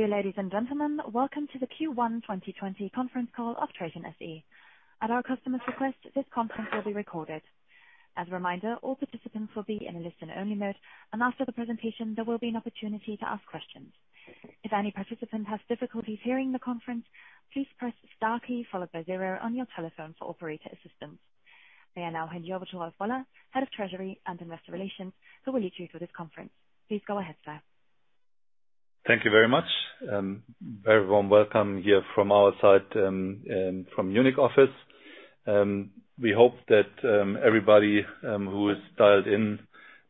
Dear ladies and gentlemen, welcome to the Q1 2020 conference call of TRATON SE. At our customer's request, this conference will be recorded. As a reminder, all participants will be in a listen-only mode, and after the presentation, there will be an opportunity to ask questions. If any participant has difficulties hearing the conference, please press star followed by zero on your telephone for operator assistance. I will now hand you over to Rolf Woller, head of treasury and investor relations, who will lead you through this conference. Please go ahead, sir. Thank you very much. Everyone welcome here from our side, from Munich office. We hope that everybody who is dialed in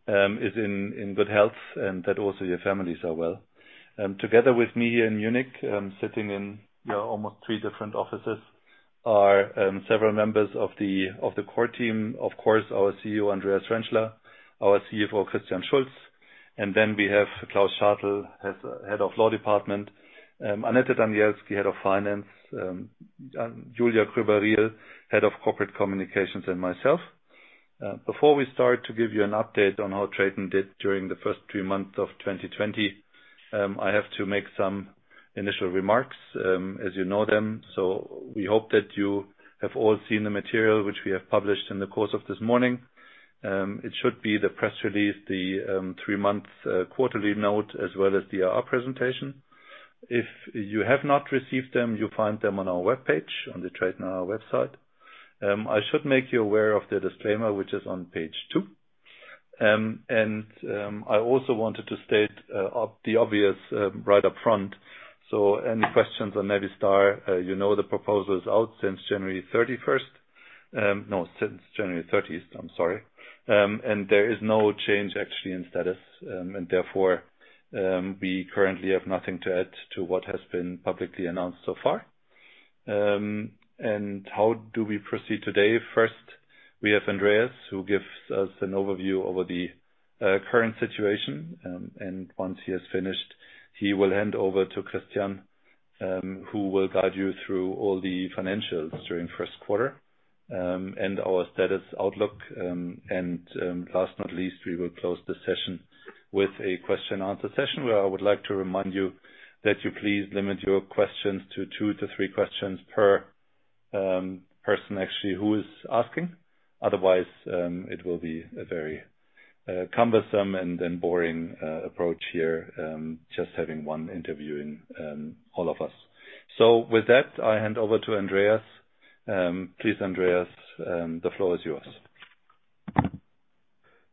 is in good health, and that also your families are well. Together with me here in Munich, sitting in almost three different offices are several members of the core team. Of course, our CEO, Andreas Renschler, our CFO, Christian Schulz, we have Klaus Schartel, head of law department, Annette Danielski, head of finance, Julia Kroeber-Riel, head of corporate communications, and myself. Before we start to give you an update on how TRATON did during the first three months of 2020, I have to make some initial remarks, as you know them. We hope that you have all seen the material which we have published in the course of this morning. It should be the press release, the three-month quarterly note, as well as the IR presentation. If you have not received them, you will find them on our webpage, on the TRATON website. I should make you aware of the disclaimer, which is on page two. I also wanted to state the obvious right upfront. Any questions on Navistar, you know the proposal is out since January 30th, and there is no change actually in status. Therefore, we currently have nothing to add to what has been publicly announced so far. How do we proceed today? First, we have Andreas, who gives us an overview over the current situation, and once he has finished, he will hand over to Christian, who will guide you through all the financials during first quarter, and our status outlook. Last but not least, we will close the session with a question answer session where I would like to remind you that you please limit your questions to two to three questions per person actually who is asking. Otherwise, it will be a very cumbersome and then boring approach here, just having one interviewing all of us. With that, I hand over to Andreas. Please, Andreas, the floor is yours.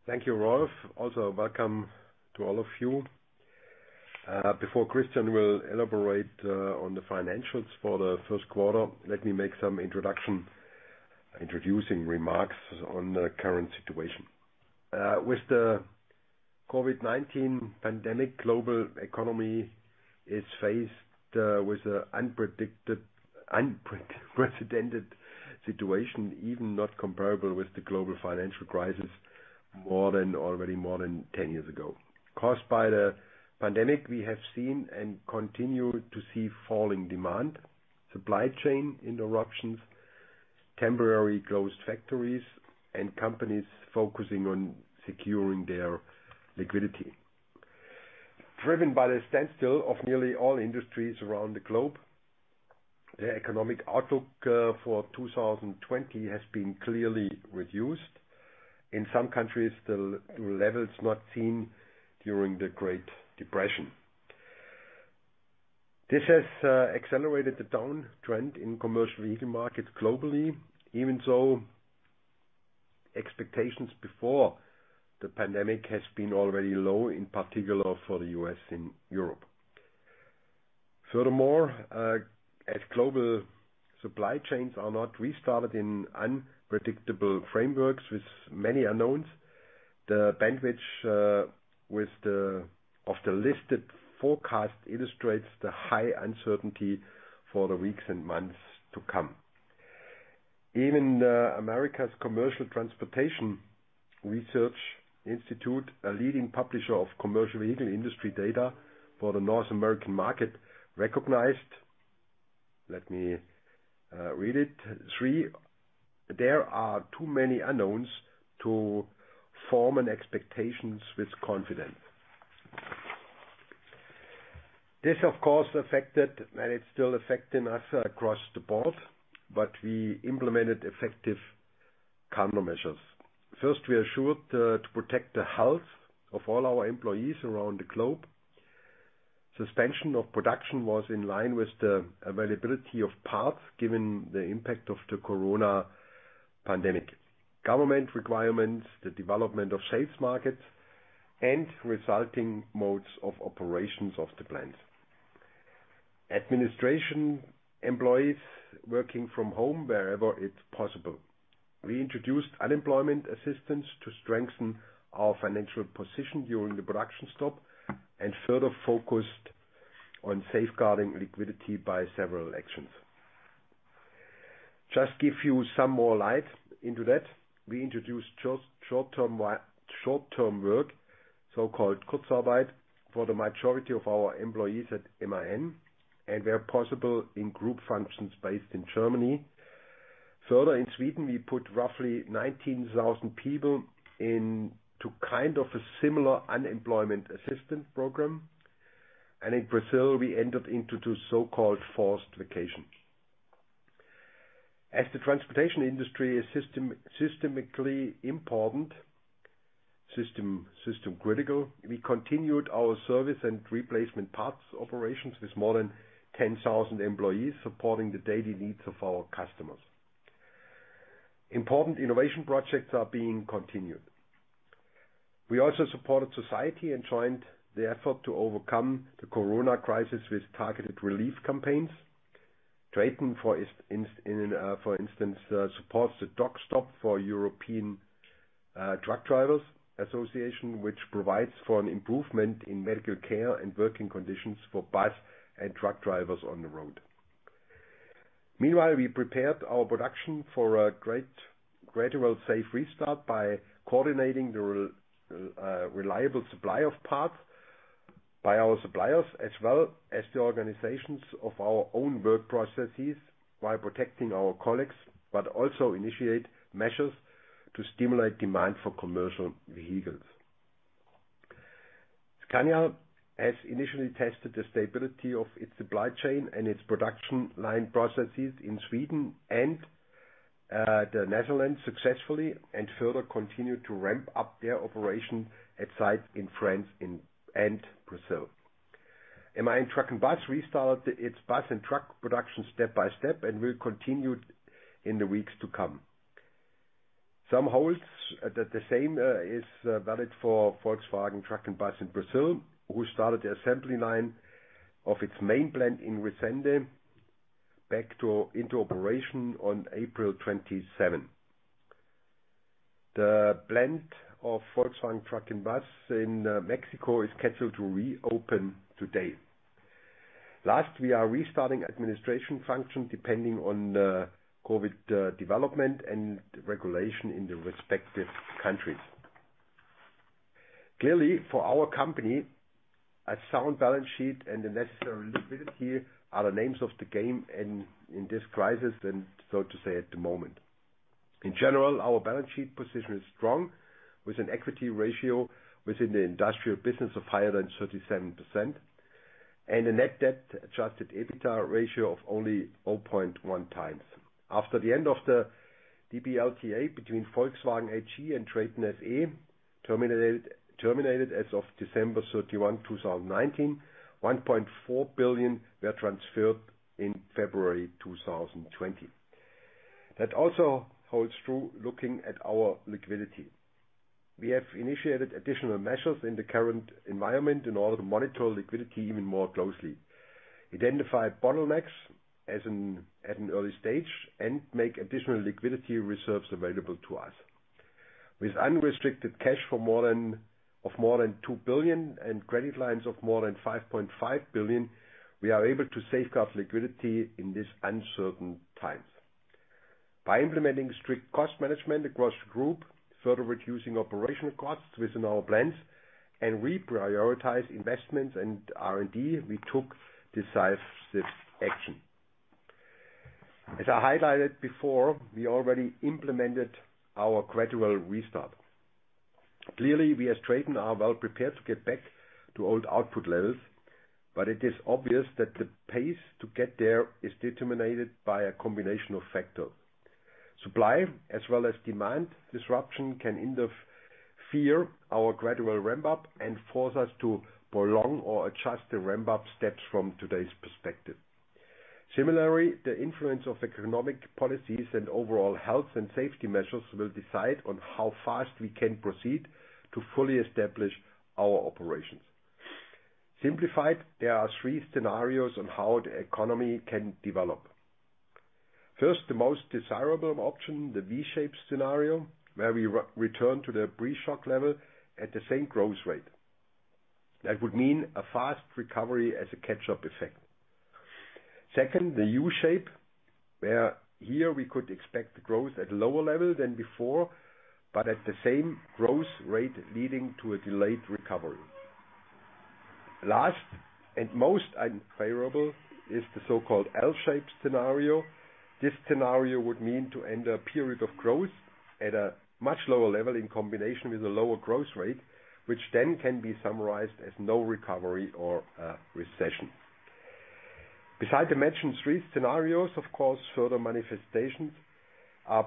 Thank you, Rolf. Also welcome to all of you. Before Christian will elaborate on the financials for the first quarter, let me make some introducing remarks on the current situation. With the COVID-19 pandemic, global economy is faced with unprecedented situation, even not comparable with the global financial crisis already more than 10 years ago. Caused by the pandemic, we have seen and continue to see falling demand, supply chain interruptions, temporary closed factories, and companies focusing on securing their liquidity. Driven by the standstill of nearly all industries around the globe, the economic outlook for 2020 has been clearly reduced. In some countries, to levels not seen during the Great Depression. This has accelerated the down trend in commercial vehicle markets globally, even so, expectations before the pandemic has been already low, in particular for the U.S. and Europe. Furthermore, as global supply chains are not restarted in unpredictable frameworks with many unknowns, the bandwidth of the listed forecast illustrates the high uncertainty for the weeks and months to come. Even American Transportation Research Institute, a leading publisher of commercial vehicle industry data for the North American market, recognized, let me read it. There are too many unknowns to form expectations with confidence. This, of course, affected, and it's still affecting us across the board, but we implemented effective countermeasures. First, we assured to protect the health of all our employees around the globe. Suspension of production was in line with the availability of parts, given the impact of the COVID-19 pandemic, government requirements, the development of sales markets, and resulting modes of operations of the plants. Administration employees working from home wherever it's possible. We introduced unemployment assistance to strengthen our financial position during the production stop and further focused on safeguarding liquidity by several actions. Just give you some more light into that. We introduced short-term work, so-called Kurzarbeit, for the majority of our employees at MAN, and where possible in group functions based in Germany. Further, in Sweden, we put roughly 19,000 people into kind of a similar unemployment assistance program, and in Brazil, we entered into so-called forced vacation. As the transportation industry is systemically important, system critical, we continued our service and replacement parts operations with more than 10,000 employees supporting the daily needs of our customers. Important innovation projects are being continued. We also supported society and joined the effort to overcome the corona crisis with targeted relief campaigns. TRATON, for instance, supports the DocStop for European Truck Drivers Association, which provides for an improvement in medical care and working conditions for bus and truck drivers on the road. Meanwhile, we prepared our production for a gradual safe restart by coordinating the reliable supply of parts by our suppliers, as well as the organizations of our own work processes while protecting our colleagues, but also initiate measures to stimulate demand for commercial vehicles. Scania has initially tested the stability of its supply chain and its production line processes in Sweden and the Netherlands successfully, and further continued to ramp up their operation at sites in France and Brazil. MAN Truck and Bus restarted its bus and truck production step by step and will continue in the weeks to come. Some holds, the same is valid for Volkswagen Truck & Bus in Brazil, who started the assembly line of its main plant in Resende back into operation on April 27. The plant of Volkswagen Truck & Bus in Mexico is scheduled to reopen today. We are restarting administration function depending on COVID development and regulation in the respective countries. Clearly, for our company, a sound balance sheet and the necessary liquidity are the names of the game in this crisis, and so to say at the moment. In general, our balance sheet position is strong, with an equity ratio within the industrial business of higher than 37%, and a net debt-adjusted EBITDA ratio of only 0.1x. After the end of the DPLTA between Volkswagen AG and TRATON SE, terminated as of December 31, 2019, 1.4 billion were transferred in February 2020. That also holds true looking at our liquidity. We have initiated additional measures in the current environment in order to monitor liquidity even more closely, identify bottlenecks at an early stage, and make additional liquidity reserves available to us. With unrestricted cash of more than 2 billion and credit lines of more than 5.5 billion, we are able to safeguard liquidity in these uncertain times. By implementing strict cost management across Group, further reducing operational costs within our plants, and reprioritize investments and R&D, we took decisive action. As I highlighted before, we already implemented our gradual restart. Clearly, we as TRATON are well prepared to get back to old output levels, but it is obvious that the pace to get there is determined by a combination of factors. Supply as well as demand disruption can, in turn, fear our gradual ramp-up and force us to prolong or adjust the ramp-up steps from today's perspective. Similarly, the influence of economic policies and overall health and safety measures will decide on how fast we can proceed to fully establish our operations. Simplified, there are three scenarios on how the economy can develop. First, the most desirable option, the V-shape scenario, where we return to the pre-shock level at the same growth rate. That would mean a fast recovery as a catch-up effect. Second, the U-shape, where we could expect growth at a lower level than before, but at the same growth rate leading to a delayed recovery. Most unfavorable, is the so-called L-shape scenario. This scenario would mean to end a period of growth at a much lower level in combination with a lower growth rate, which then can be summarized as no recovery or a recession. Besides the mentioned three scenarios, of course, further manifestations are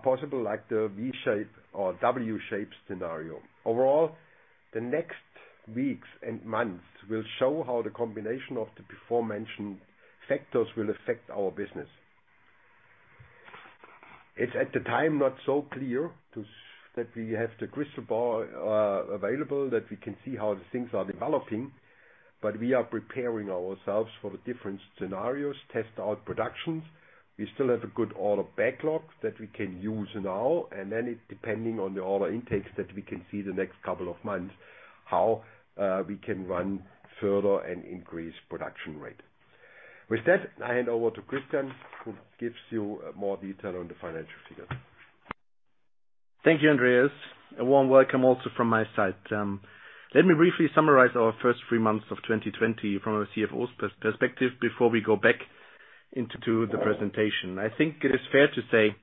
possible, like the V-shape or W-shape scenario. Overall, the next weeks and months will show how the combination of the beforementioned factors will affect our business. It's at the time not so clear that we have the crystal ball available that we can see how things are developing, but we are preparing ourselves for the different scenarios, test out productions. We still have a good order backlog that we can use now and then it depending on the order intakes that we can see the next couple of months how we can run further and increase production rate. With that, I hand over to Christian, who gives you more detail on the financial figures. Thank you, Andreas. A warm welcome also from my side. Let me briefly summarize our first three months of 2020 from a CFO's perspective before we go back into the presentation. I think it is fair to say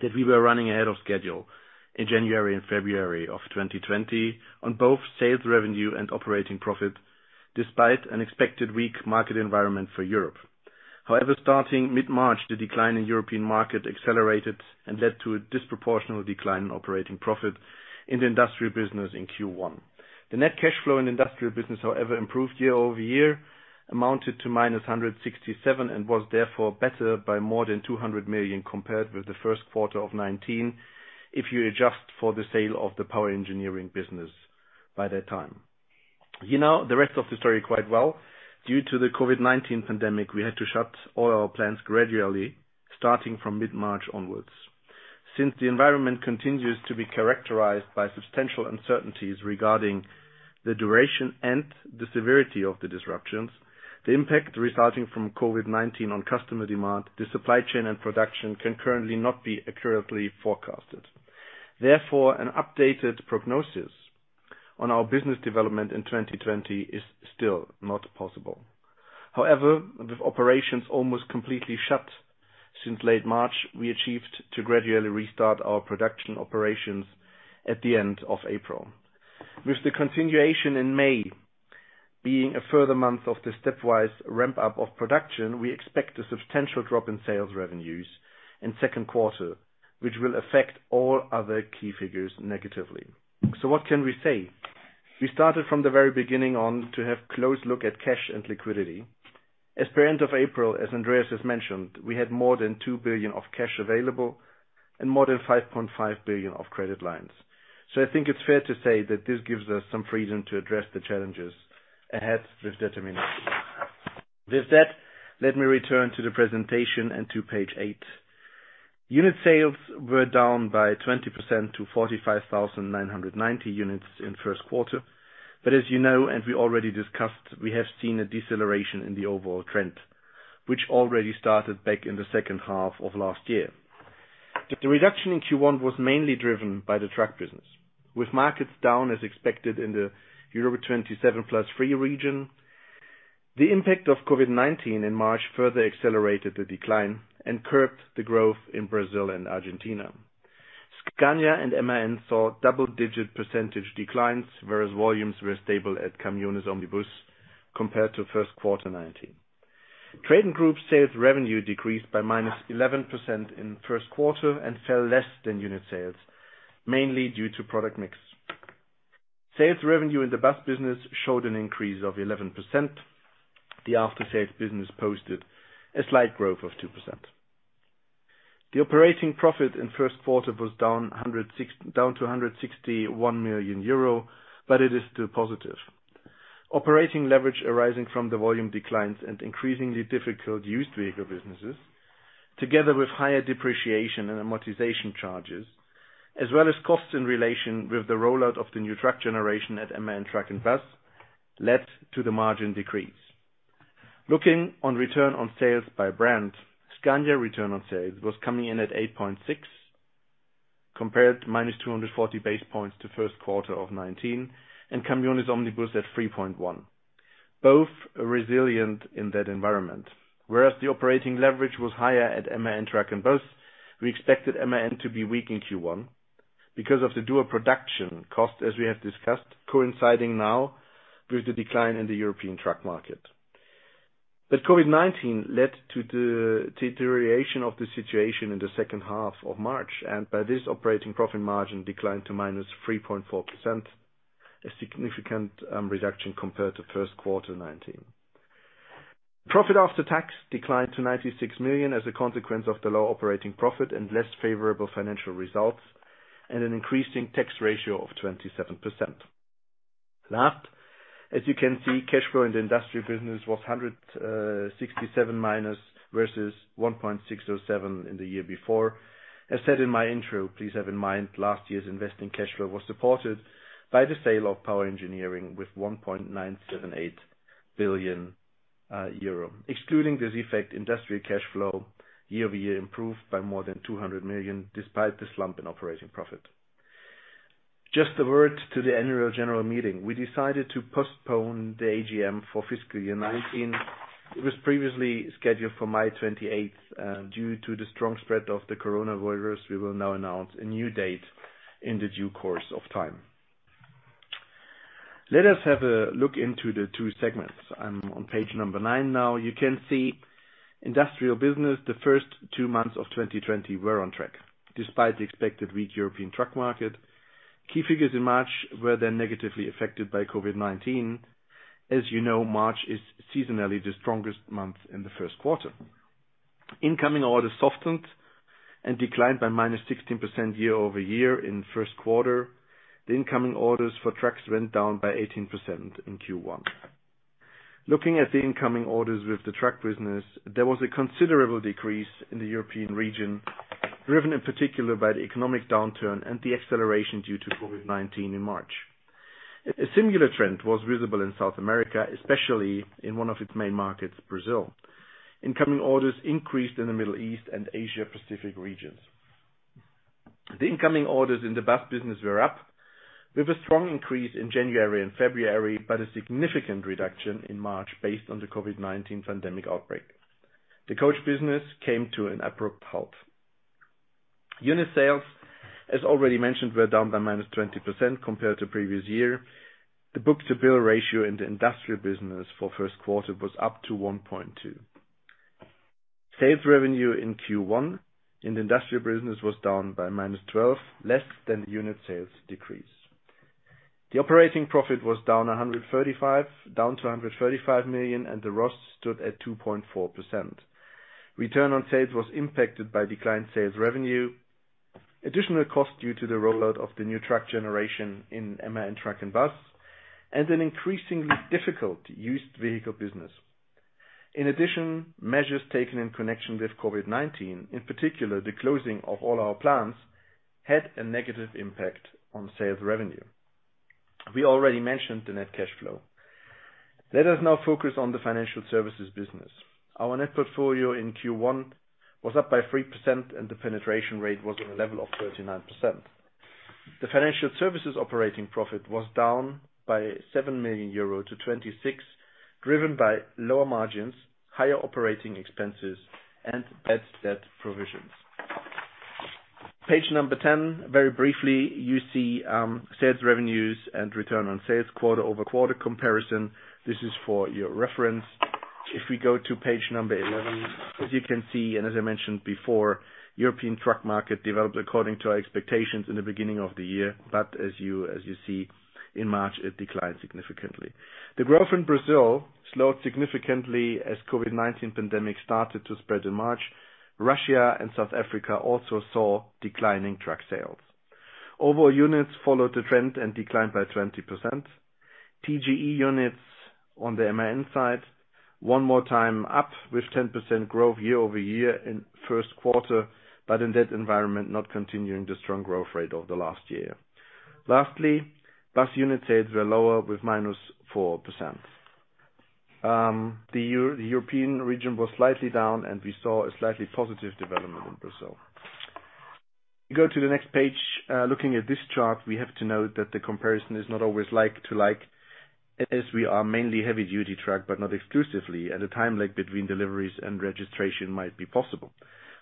that we were running ahead of schedule in January and February of 2020 on both sales revenue and operating profit, despite an expected weak market environment for Europe. Starting mid-March, the decline in European market accelerated and led to a disproportional decline in operating profit in the industrial business in Q1. The net cash flow in industrial business, however, improved year-over-year, amounted to -167, and was therefore better by more than 200 million compared with the first quarter of 2019, if you adjust for the sale of the Power Engineering business by that time. You know the rest of the story quite well. Due to the COVID-19 pandemic, we had to shut all our plants gradually, starting from mid-March onwards. Since the environment continues to be characterized by substantial uncertainties regarding the duration and the severity of the disruptions, the impact resulting from COVID-19 on customer demand, the supply chain and production can currently not be accurately forecasted. Therefore, an updated prognosis on our business development in 2020 is still not possible. However, with operations almost completely shut since late March, we achieved to gradually restart our production operations at the end of April. With the continuation in May being a further month of the stepwise ramp-up of production, we expect a substantial drop in sales revenues in second quarter, which will affect all other key figures negatively. What can we say? We started from the very beginning on to have close look at cash and liquidity. As per end of April, as Andreas has mentioned, we had more than 2 billion of cash available and more than 5.5 billion of credit lines. I think it's fair to say that this gives us some freedom to address the challenges ahead with determination. With that, let me return to the presentation and to page eight. Unit sales were down by 20% to 45,990 units in first quarter. As you know and we already discussed, we have seen a deceleration in the overall trend, which already started back in the second half of last year. The reduction in Q1 was mainly driven by the truck business, with markets down as expected in the EU27+3 region. The impact of COVID-19 in March further accelerated the decline and curbed the growth in Brazil and Argentina. Scania and MAN saw double-digit percentage declines, whereas volumes were stable at Caminhões e Ônibus compared to first quarter 2019. TRATON Group sales revenue decreased by -11% in first quarter and fell less than unit sales, mainly due to product mix. Sales revenue in the bus business showed an increase of 11%. The after-sales business posted a slight growth of 2%. The operating profit in first quarter was down to 161 million euro, but it is still positive. Operating leverage arising from the volume declines and increasingly difficult used vehicle businesses, together with higher depreciation and amortization charges, as well as costs in relation with the rollout of the new truck generation at MAN Truck & Bus, led to the margin decrease. Looking on return on sales by brand, Scania return on sales was coming in at 8.6%, compared to -240 basis points to first quarter of 2019, and Caminhões e Ônibus at 3.1%. Both are resilient in that environment. Whereas the operating leverage was higher at MAN Truck & Bus, we expected MAN to be weak in Q1 because of the dual production cost, as we have discussed, coinciding now with the decline in the European truck market. COVID-19 led to the deterioration of the situation in the second half of March, and by this, operating profit margin declined to -3.4%, a significant reduction compared to first quarter 2019. Profit after tax declined to 96 million as a consequence of the low operating profit and less favorable financial results, and an increasing tax ratio of 27%. Last, as you can see, cash flow in the industrial business was -167 versus 1.607 in the year before. As said in my intro, please have in mind last year's investing cash flow was supported by the sale of Power Engineering with 1.978 billion euro. Excluding this effect, industrial cash flow year-over-year improved by more than 200 million despite the slump in operating profit. Just a word to the annual general meeting. We decided to postpone the AGM for fiscal year 2019. It was previously scheduled for May 28th. Due to the strong spread of the coronavirus, we will now announce a new date in the due course of time. Let us have a look into the two segments. I'm on page number nine now. You can see industrial business, the first two months of 2020 were on track despite the expected weak European truck market. Key figures in March were then negatively affected by COVID-19. As you know, March is seasonally the strongest month in the first quarter. Incoming orders softened and declined by -16% year-over-year in first quarter. The incoming orders for trucks went down by 18% in Q1. Looking at the incoming orders with the truck business, there was a considerable decrease in the European region, driven in particular by the economic downturn and the acceleration due to COVID-19 in March. A similar trend was visible in South America, especially in one of its main markets, Brazil. Incoming orders increased in the Middle East and Asia Pacific regions. The incoming orders in the bus business were up, with a strong increase in January and February, but a significant reduction in March based on the COVID-19 pandemic outbreak. The coach business came to an abrupt halt. Unit sales, as already mentioned, were down by -20% compared to previous year. The book-to-bill ratio in the industrial business for first quarter was up to 1.2. Sales revenue in Q1 in the industrial business was down by -12, less than unit sales decrease. The operating profit was down to 135 million, and the ROS stood at 2.4%. Return on sales was impacted by declined sales revenue, additional cost due to the rollout of the new truck generation in MAN Truck and Bus, and an increasingly difficult used vehicle business. In addition, measures taken in connection with COVID-19, in particular, the closing of all our plants, had a negative impact on sales revenue. We already mentioned the net cash flow. Let us now focus on the financial services business. Our net portfolio in Q1 was up by 3%, and the penetration rate was on a level of 39%. The financial services operating profit was down by 7 million-26 euro, driven by lower margins, higher operating expenses, and bad debt provisions. Page number 10, very briefly, you see sales revenues and return on sales quarter-over-quarter comparison. This is for your reference. If we go to page number 11, as you can see, and as I mentioned before, European truck market developed according to our expectations in the beginning of the year. As you see, in March, it declined significantly. The growth in Brazil slowed significantly as COVID-19 pandemic started to spread in March. Russia and South Africa also saw declining truck sales. Overall units followed the trend and declined by 20%. TGE units on the MAN side, one more time up with 10% growth year-over-year in first quarter, but in that environment, not continuing the strong growth rate of the last year. Lastly, bus unit sales were lower with -4%. The European region was slightly down, and we saw a slightly positive development in Brazil. We go to the next page. Looking at this chart, we have to note that the comparison is not always like to like, as we are mainly heavy-duty truck, but not exclusively. At a time, like between deliveries and registration might be possible.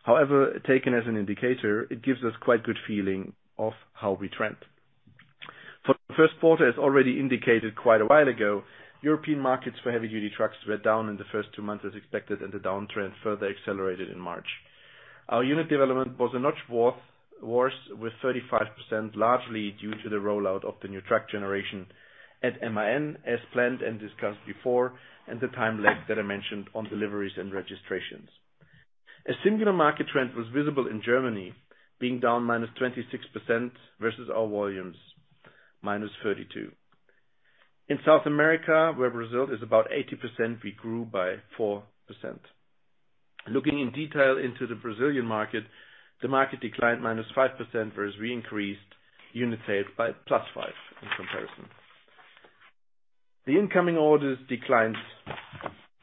However, taken as an indicator, it gives us quite good feeling of how we trend. For the first quarter, as already indicated quite a while ago, European markets for heavy-duty trucks were down in the first two months as expected, and the downtrend further accelerated in March. Our unit development was a notch worse with 35%, largely due to the rollout of the new truck generation at MAN, as planned and discussed before, and the time length that I mentioned on deliveries and registrations. A similar market trend was visible in Germany, being down -26% versus our volumes, -32. In South America, where Brazil is about 80%, we grew by 4%. Looking in detail into the Brazilian market, the market declined -5%, whereas we increased unit sales by +5 in comparison. The incoming orders declined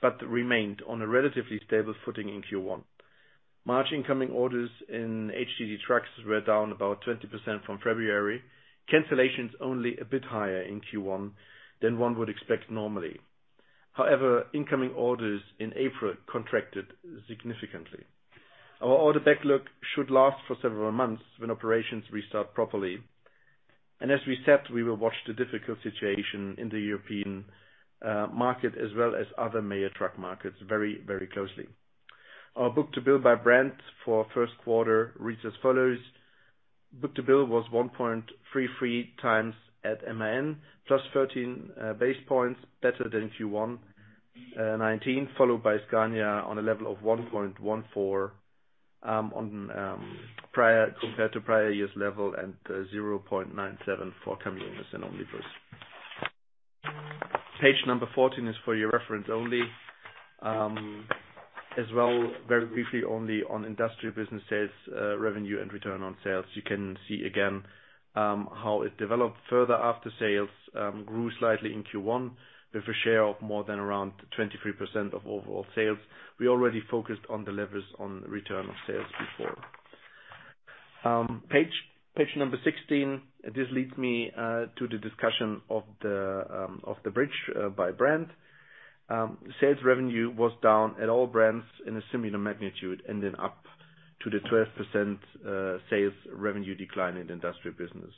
but remained on a relatively stable footing in Q1. March incoming orders in HDD trucks were down about 20% from February. Cancellations only a bit higher in Q1 than one would expect normally. However, incoming orders in April contracted significantly. Our order backlog should last for several months when operations restart properly. As we said, we will watch the difficult situation in the European market as well as other major truck markets very closely. Our book-to-bill by brand for first quarter reads as follows. Book-to-bill was 1.33x at MAN, +13 basis points better than Q1 2019, followed by Scania on a level of 1.14, compared to prior year's level and 0.97 for Caminhões e Ônibus. Page number 14 is for your reference only. As well very briefly, only on industrial business sales revenue and return on sales. You can see again how it developed further after sales grew slightly in Q1 with a share of more than around 23% of overall sales. We already focused on the levers on return on sales before. Page number 16. This leads me to the discussion of the bridge by brand. Sales revenue was down at all brands in a similar magnitude and then up to the 12% sales revenue decline in industrial business.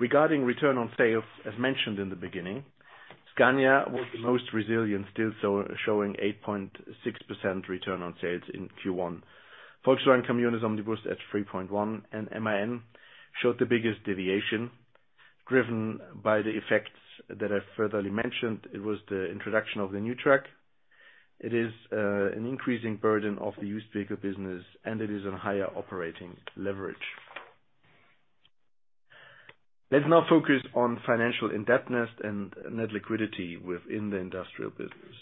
Regarding return on sales, as mentioned in the beginning, Scania was the most resilient, still showing 8.6% return on sales in Q1. Volkswagen Caminhões e Ônibus at 3.1, and MAN showed the biggest deviation, driven by the effects that I've further mentioned. It was the introduction of the new truck. It is an increasing burden of the used vehicle business, and it is on higher operating leverage. Let's now focus on financial indebtedness and net liquidity within the industrial business.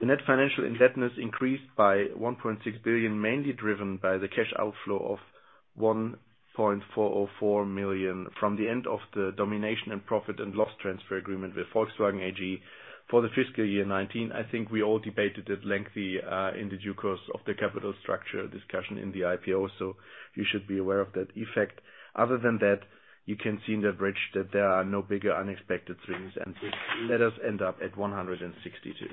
The net financial indebtedness increased by 1.6 billion, mainly driven by the cash outflow of 1.404 million from the end of the domination and profit and loss transfer agreement with Volkswagen AG for the fiscal year 2019. I think we all debated it lengthily, in the due course of the capital structure discussion in the IPO, so you should be aware of that effect. Other than that, you can see in that bridge that there are no bigger unexpected things, and this let us end up at 162.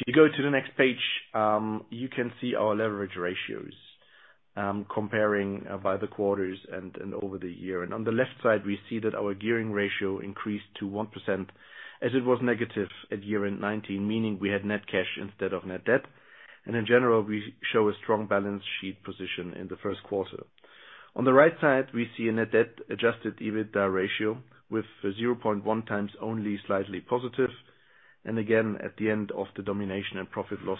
If you go to the next page, you can see our leverage ratios, comparing by the quarters and over the year. On the left side, we see that our gearing ratio increased to 1% as it was negative at year end 2019, meaning we had net cash instead of net debt, and in general, we show a strong balance sheet position in the first quarter. On the right side, we see a net debt adjusted EBITDA ratio with 0.1x only slightly positive, and again, at the end of the domination and profit/loss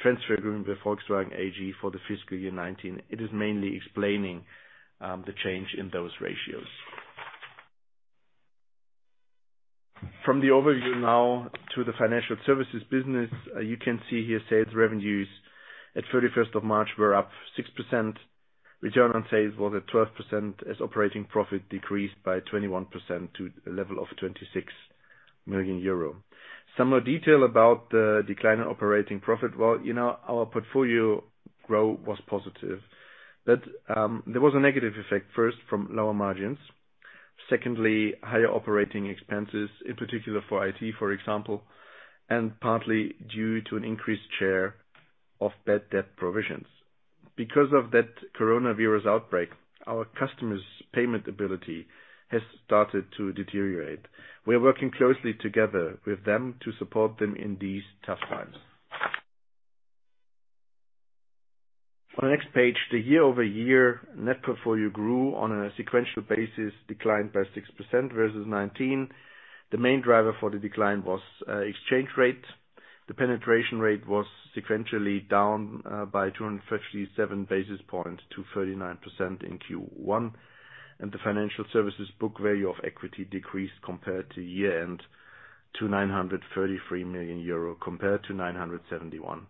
transfer agreement with Volkswagen AG for the fiscal year 2019. It is mainly explaining the change in those ratios. From the overview now to the financial services business, you can see here sales revenues at 31st of March were up 6%. Return on sales was at 12% as operating profit decreased by 21% to a level of 26 million euro. Some more detail about the decline in operating profit. Well, our portfolio growth was positive. There was a negative effect, first from lower margins, secondly, higher operating expenses in particular for IT, for example, and partly due to an increased share of bad debt provisions. Because of that coronavirus outbreak, our customers' payment ability has started to deteriorate. We are working closely together with them to support them in these tough times. On the next page, the year-over-year net portfolio grew on a sequential basis, declined by 6% versus 2019. The main driver for the decline was exchange rate. The penetration rate was sequentially down by 237 basis points to 39% in Q1, and the financial services book value of equity decreased compared to year-end to 933 million euro compared to 971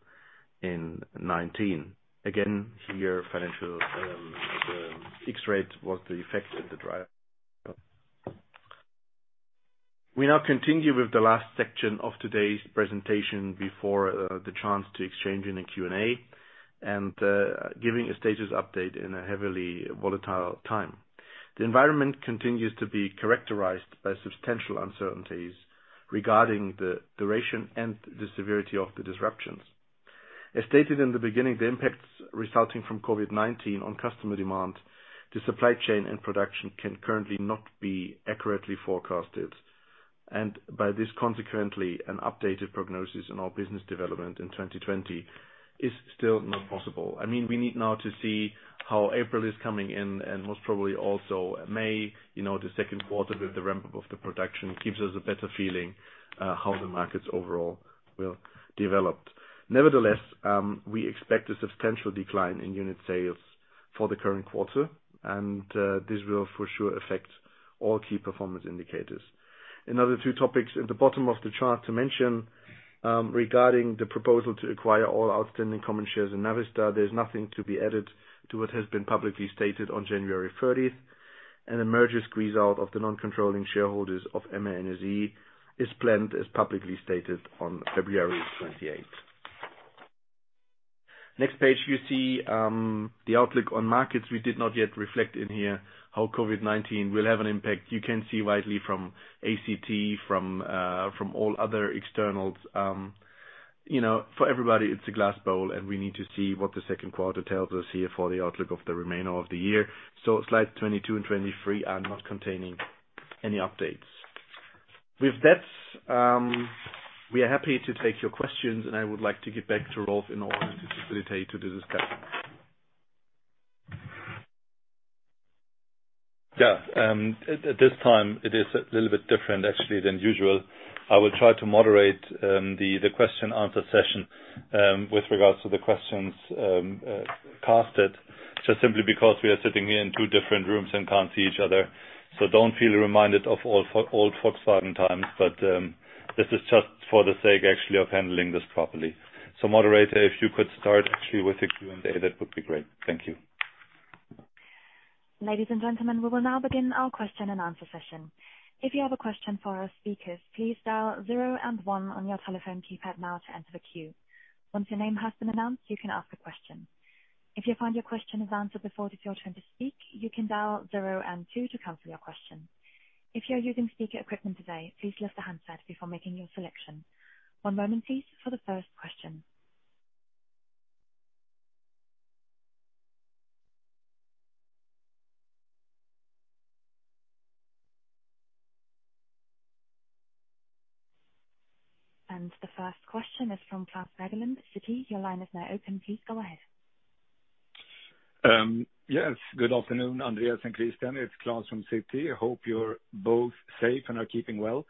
in 2019. Again, here, financial exchange rate was the effect and the driver. We now continue with the last section of today's presentation before the chance to exchange in a Q&A, and giving a status update in a heavily volatile time. The environment continues to be characterized by substantial uncertainties regarding the duration and the severity of the disruptions. As stated in the beginning, the impacts resulting from COVID-19 on customer demand to supply chain and production can currently not be accurately forecasted. By this, consequently, an updated prognosis on our business development in 2020 is still not possible. We need now to see how April is coming in and most probably also May. The second quarter with the ramp up of the production gives us a better feeling how the markets overall will develop. Nevertheless, we expect a substantial decline in unit sales for the current quarter, and this will for sure affect all key performance indicators. Another two topics at the bottom of the chart to mention, regarding the proposal to acquire all outstanding common shares in Navistar, there's nothing to be added to what has been publicly stated on January 30th, and the merger squeeze out of the non-controlling shareholders of MAN SE is planned as publicly stated on February 28th. Next page you see the outlook on markets. We did not yet reflect in here how COVID-19 will have an impact. You can see widely from ACT, from all other externals. For everybody, it's a glass bowl, and we need to see what the second quarter tells us here for the outlook of the remainder of the year. slide 22 and 23 are not containing any updates. With that, we are happy to take your questions, and I would like to get back to Rolf in order to facilitate to do this session. Yeah. At this time, it is a little bit different actually than usual. I will try to moderate the question answer session, with regards to the questions casted, just simply because we are sitting here in two different rooms and can't see each other. Don't feel reminded of old Volkswagen times, but this is just for the sake, actually, of handling this properly. Moderator, if you could start actually with the Q&A, that would be great. Thank you. Ladies and gentlemen, we will now begin our question and answer session. If you have a question for our speakers, please dial zero and one on your telephone keypad now to enter the queue. Once your name has been announced, you can ask a question. If you find your question is answered before it is your turn to speak, you can dial zero and two to cancel your question. If you are using speaker equipment today, please lift the handset before making your selection. One moment please for the first question. The first question is from Klas Bergelind, Citi. Your line is now open. Please go ahead. Yes. Good afternoon, Andreas and Christian. It's Klas from Citi. I hope you're both safe and are keeping well.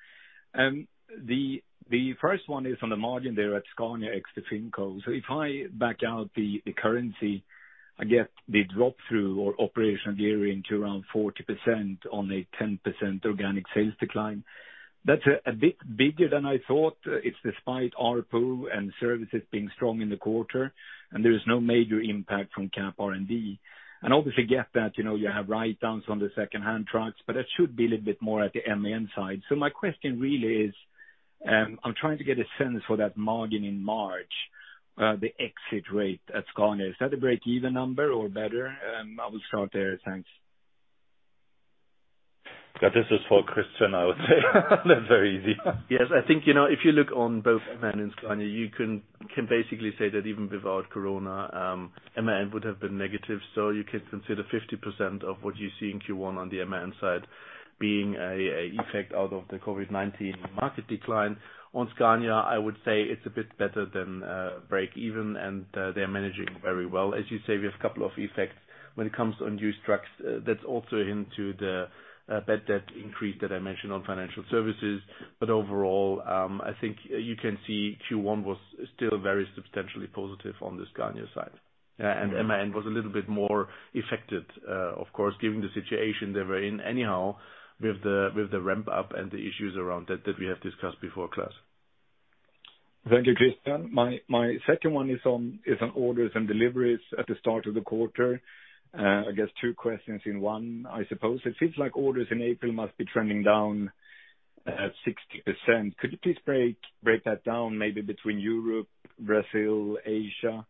The first one is on the margin there at Scania ex the Finco. If I back out the currency, I get the drop through or operational gearing to around 40% on a 10% organic sales decline. That's a bit bigger than I thought. It's despite ARPU and services being strong in the quarter, and there is no major impact from capitalized R&D. Obviously get that, you have write downs on the secondhand trucks, but that should be a little bit more at the MAN side. My question really is, I'm trying to get a sense for that margin in March, the exit rate at Scania. Is that a break even number or better? I will start there. Thanks. Yeah. This is for Christian, I would say. That's very easy. Yes. I think, if you look on both MAN and Scania, you can basically say that even without Corona, MAN would have been negative. You can consider 50% of what you see in Q1 on the MAN side being an effect out of the COVID-19 market decline. On Scania, I would say it's a bit better than break even and they're managing very well. As you say, we have a couple of effects when it comes on used trucks. That's also into the bad debt increase that I mentioned on financial services. Overall, I think you can see Q1 was still very substantially positive on the Scania side. MAN was a little bit more affected, of course, given the situation they were in anyhow with the ramp up and the issues around it that we have discussed before, Klas. Thank you, Christian. My second one is on orders and deliveries at the start of the quarter. I guess two questions in one, I suppose. It seems like orders in April must be trending down at 60%. Could you please break that down maybe between Europe, Brazil, Asia?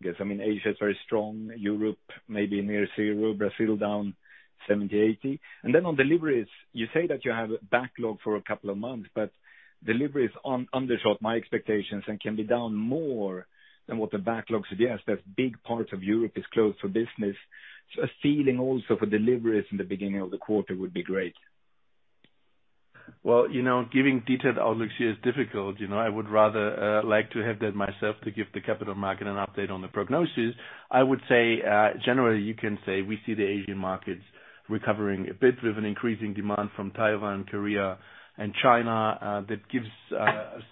I guess, I mean, Asia is very strong. Europe may be near zero. Brazil down 70, 80. On deliveries, you say that you have a backlog for a couple of months, but deliveries undershot my expectations and can be down more than what the backlogs suggest. A big part of Europe is closed for business, so a feeling also for deliveries in the beginning of the quarter would be great. Well, giving detailed outlooks here is difficult. I would rather like to have that myself to give the capital market an update on the prognosis. I would say, generally you can say we see the Asian markets recovering a bit with an increasing demand from Taiwan, Korea, and China. That gives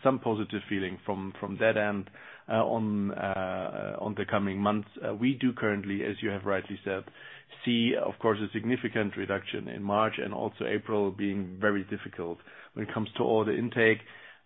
some positive feeling from that end on the coming months. We do currently, as you have rightly said, see, of course, a significant reduction in March and also April being very difficult when it comes to order intake.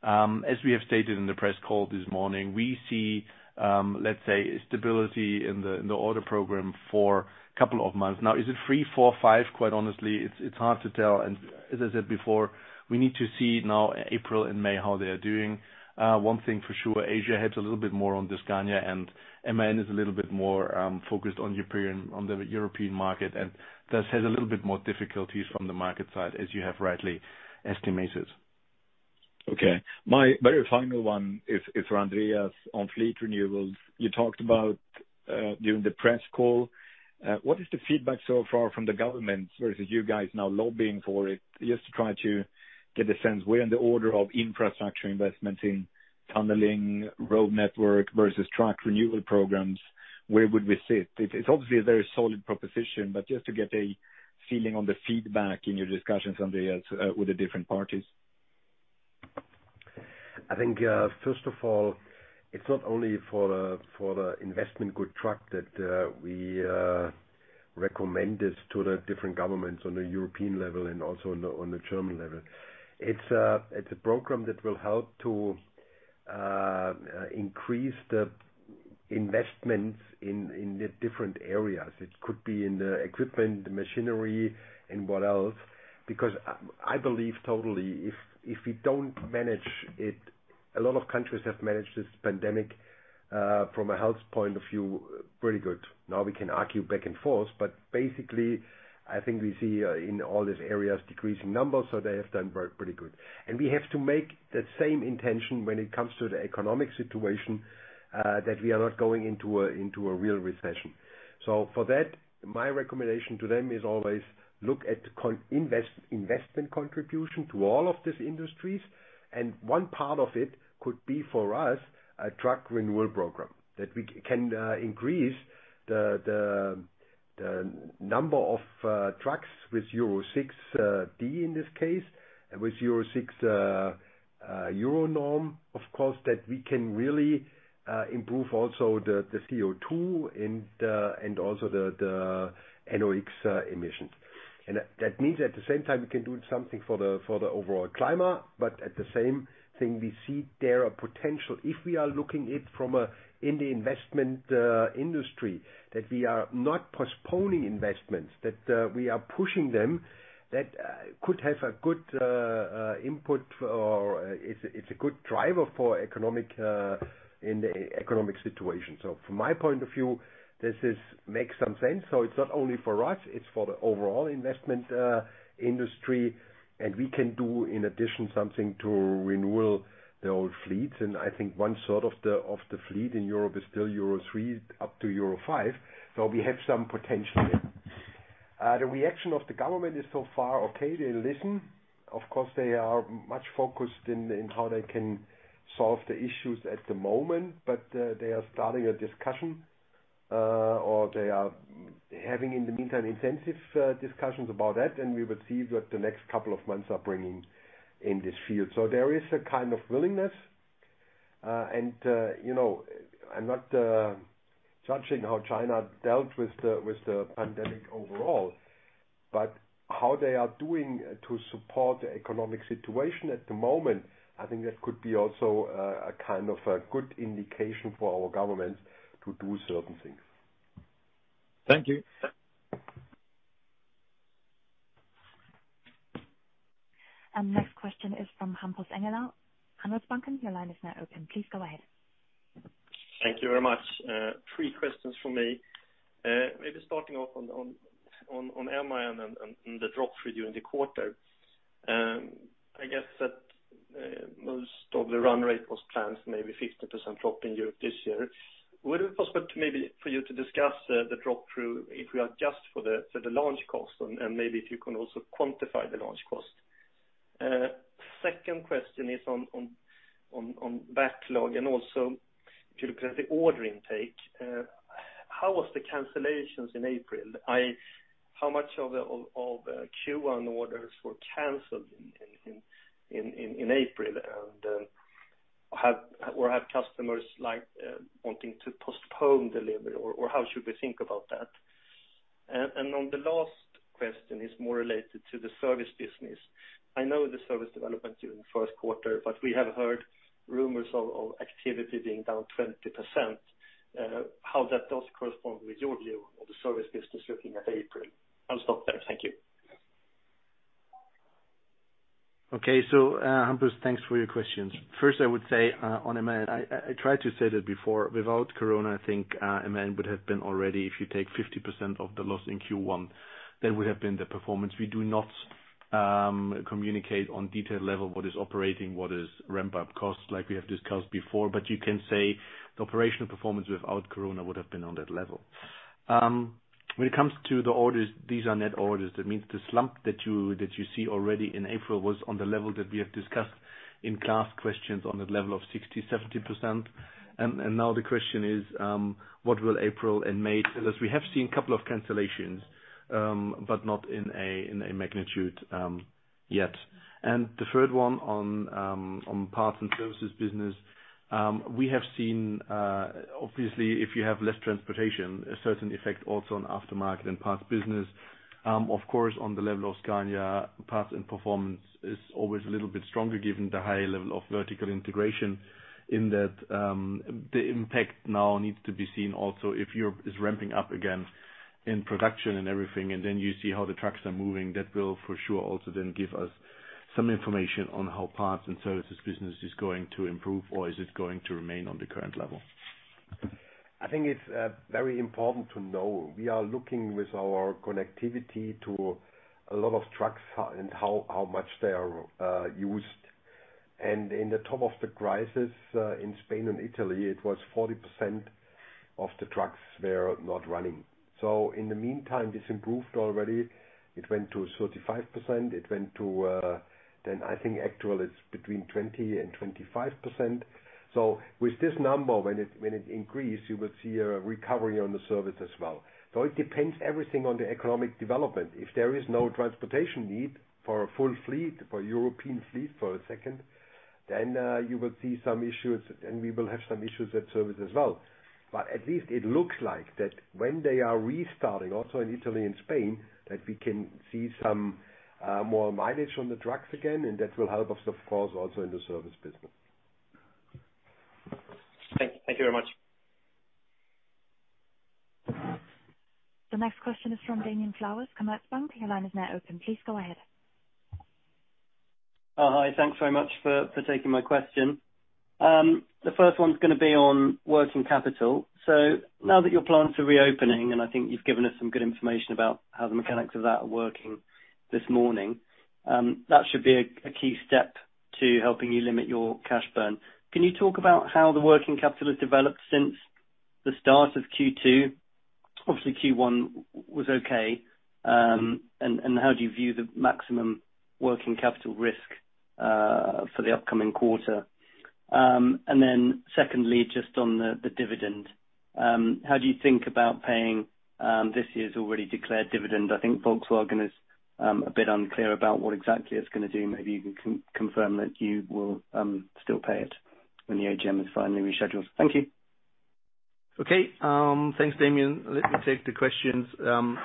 As we have stated in the press call this morning, we see, let's say, stability in the order program for a couple of months now. Is it three, four, five? Quite honestly, it's hard to tell. As I said before, we need to see now April and May, how they are doing. One thing for sure, Asia helps a little bit more on the Scania end. MAN is a little bit more focused on the European market, and thus has a little bit more difficulties from the market side, as you have rightly estimated. Okay. My very final one is for Andreas on fleet renewals. You talked about during the press call. What is the feedback so far from the government versus you guys now lobbying for it? Just to try to get a sense where in the order of infrastructure investment in tunneling, road network versus truck renewal programs, where would we sit? It's obviously a very solid proposition, but just to get a feeling on the feedback in your discussions, Andreas, with the different parties. I think, first of all, it's not only for the investment good truck that we recommend this to the different governments on a European level and also on the German level. It's a program that will help to increase the investments in the different areas. It could be in the equipment, machinery, and what else. Because I believe totally, if we don't manage it a lot of countries have managed this pandemic, from a health point of view, pretty good. Now we can argue back and forth, but basically, I think we see in all these areas decreasing numbers, so they have done pretty good. we have to make that same intention when it comes to the economic situation, that we are not going into a real recession. for that, my recommendation to them is always look at investment contribution to all of these industries. One part of it could be for us, a truck renewal program that we can increase the number of trucks with Euro 6d, in this case, and with Euro 6 Euro norm. Of course, that we can really improve also the CO2 and also the NOx emissions. That means at the same time, we can do something for the overall climate. At the same thing, we see there a potential. If we are looking it from in the investment industry, that we are not postponing investments, that we are pushing them, that could have a good input or it's a good driver in the economic situation. From my point of view, this makes some sense. It's not only for us, it's for the overall investment industry. We can do, in addition, something to renew the old fleets. I think one sort of the fleet in Europe is still Euro 3 up to Euro 5. We have some potential here. The reaction of the government is so far okay. They listen. Of course, they are much focused on how they can solve the issues at the moment. They are starting a discussion, or they are having, in the meantime, intensive discussions about that, and we will see what the next couple of months are bringing in this field. There is a kind of willingness. I'm not judging how China dealt with the pandemic overall, but how they are doing to support the economic situation at the moment, I think that could be also a good indication for our government to do certain things. Thank you. Next question is from Hampus Engellau, Handelsbanken. Your line is now open. Please go ahead. Thank you very much. Three questions from me. Maybe starting off on MAN and the drop for you in the quarter. I guess that most of the run rate was planned, maybe 50% drop in Europe this year. Would it be possible to maybe for you to discuss the drop-through if we adjust for the launch cost and, maybe if you can also quantify the launch cost? Second question is on backlog and also if you look at the order intake. How was the cancellations in April? How much of Q1 orders were canceled in April? Or have customers wanting to postpone delivery, or how should we think about that? On the last question is more related to the service business. I know the service development during the first quarter, but we have heard rumors of activity being down 20%. How that does correspond with your view of the service business looking at April? I'll stop there. Thank you. Okay. Hampus, thanks for your questions. First, I would say on MAN, I tried to say that before. Without Corona, I think MAN would have been already, if you take 50% of the loss in Q1, that would have been the performance. We do not communicate on detailed level what is operating, what is ramp-up cost, like we have discussed before. You can say the operational performance without Corona would have been on that level. When it comes to the orders, these are net orders. That means the slump that you see already in April was on the level that we have discussed in past questions on the level of 60%, 70%. Now the question is: What will April and May tell us? We have seen a couple of cancellations, but not in a magnitude yet. The third one on parts and services business. We have seen, obviously, if you have less transportation, a certain effect also on aftermarket and parts business. Of course, on the level of Scania, parts and performance is always a little bit stronger given the higher level of vertical integration in that the impact now needs to be seen also if Europe is ramping up again in production and everything, and then you see how the trucks are moving. That will for sure also then give us some information on how parts and services business is going to improve or is it going to remain on the current level. I think it's very important to know, we are looking with our connectivity to a lot of trucks and how much they are used. In the top of the crisis in Spain and Italy, it was 40% of the trucks were not running. In the meantime, this improved already. It went to 35%. I think actually it's between 20% and 25%. With this number, when it increase, you will see a recovery on the service as well. It depends everything on the economic development. If there is no transportation need for a full fleet, for European fleet for a second, then you will see some issues and we will have some issues at service as well. At least it looks like that when they are restarting, also in Italy and Spain, that we can see some more mileage on the trucks again, and that will help us, of course, also in the service business. Thank you very much. The next question is from Demian Flowers, Commerzbank. Your line is now open. Please go ahead. Hi. Thanks very much for taking my question. The first one's going to be on working capital. Now that your plants are reopening, and I think you've given us some good information about how the mechanics of that are working this morning. That should be a key step to helping you limit your cash burn. Can you talk about how the working capital has developed since the start of Q2? Obviously, Q1 was okay. How do you view the maximum working capital risk for the upcoming quarter? Secondly, just on the dividend. How do you think about paying this year's already declared dividend? I think Volkswagen is a bit unclear about what exactly it's going to do. Maybe you can confirm that you will still pay it when the AGM is finally rescheduled. Thank you. Okay. Thanks, Demian. Let me take the questions.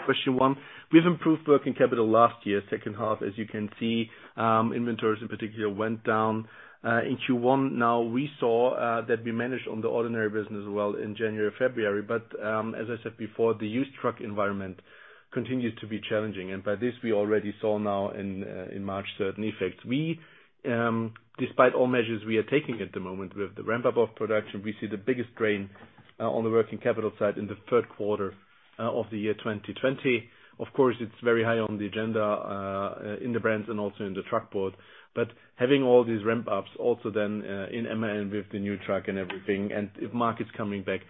Question one, we've improved working capital last year, second half, as you can see. Inventories in particular went down. In Q1 now, we saw that we managed on the ordinary business well in January, February. As I said before, the used truck environment continued to be challenging. By this, we already saw now in March certain effects. Despite all measures we are taking at the moment with the ramp-up of production, we see the biggest drain on the working capital side in the third quarter of the year 2020. Of course, it's very high on the agenda in the brands and also in the truck board. Having all these ramp-ups also then in MAN with the new truck and everything, and if market's coming back,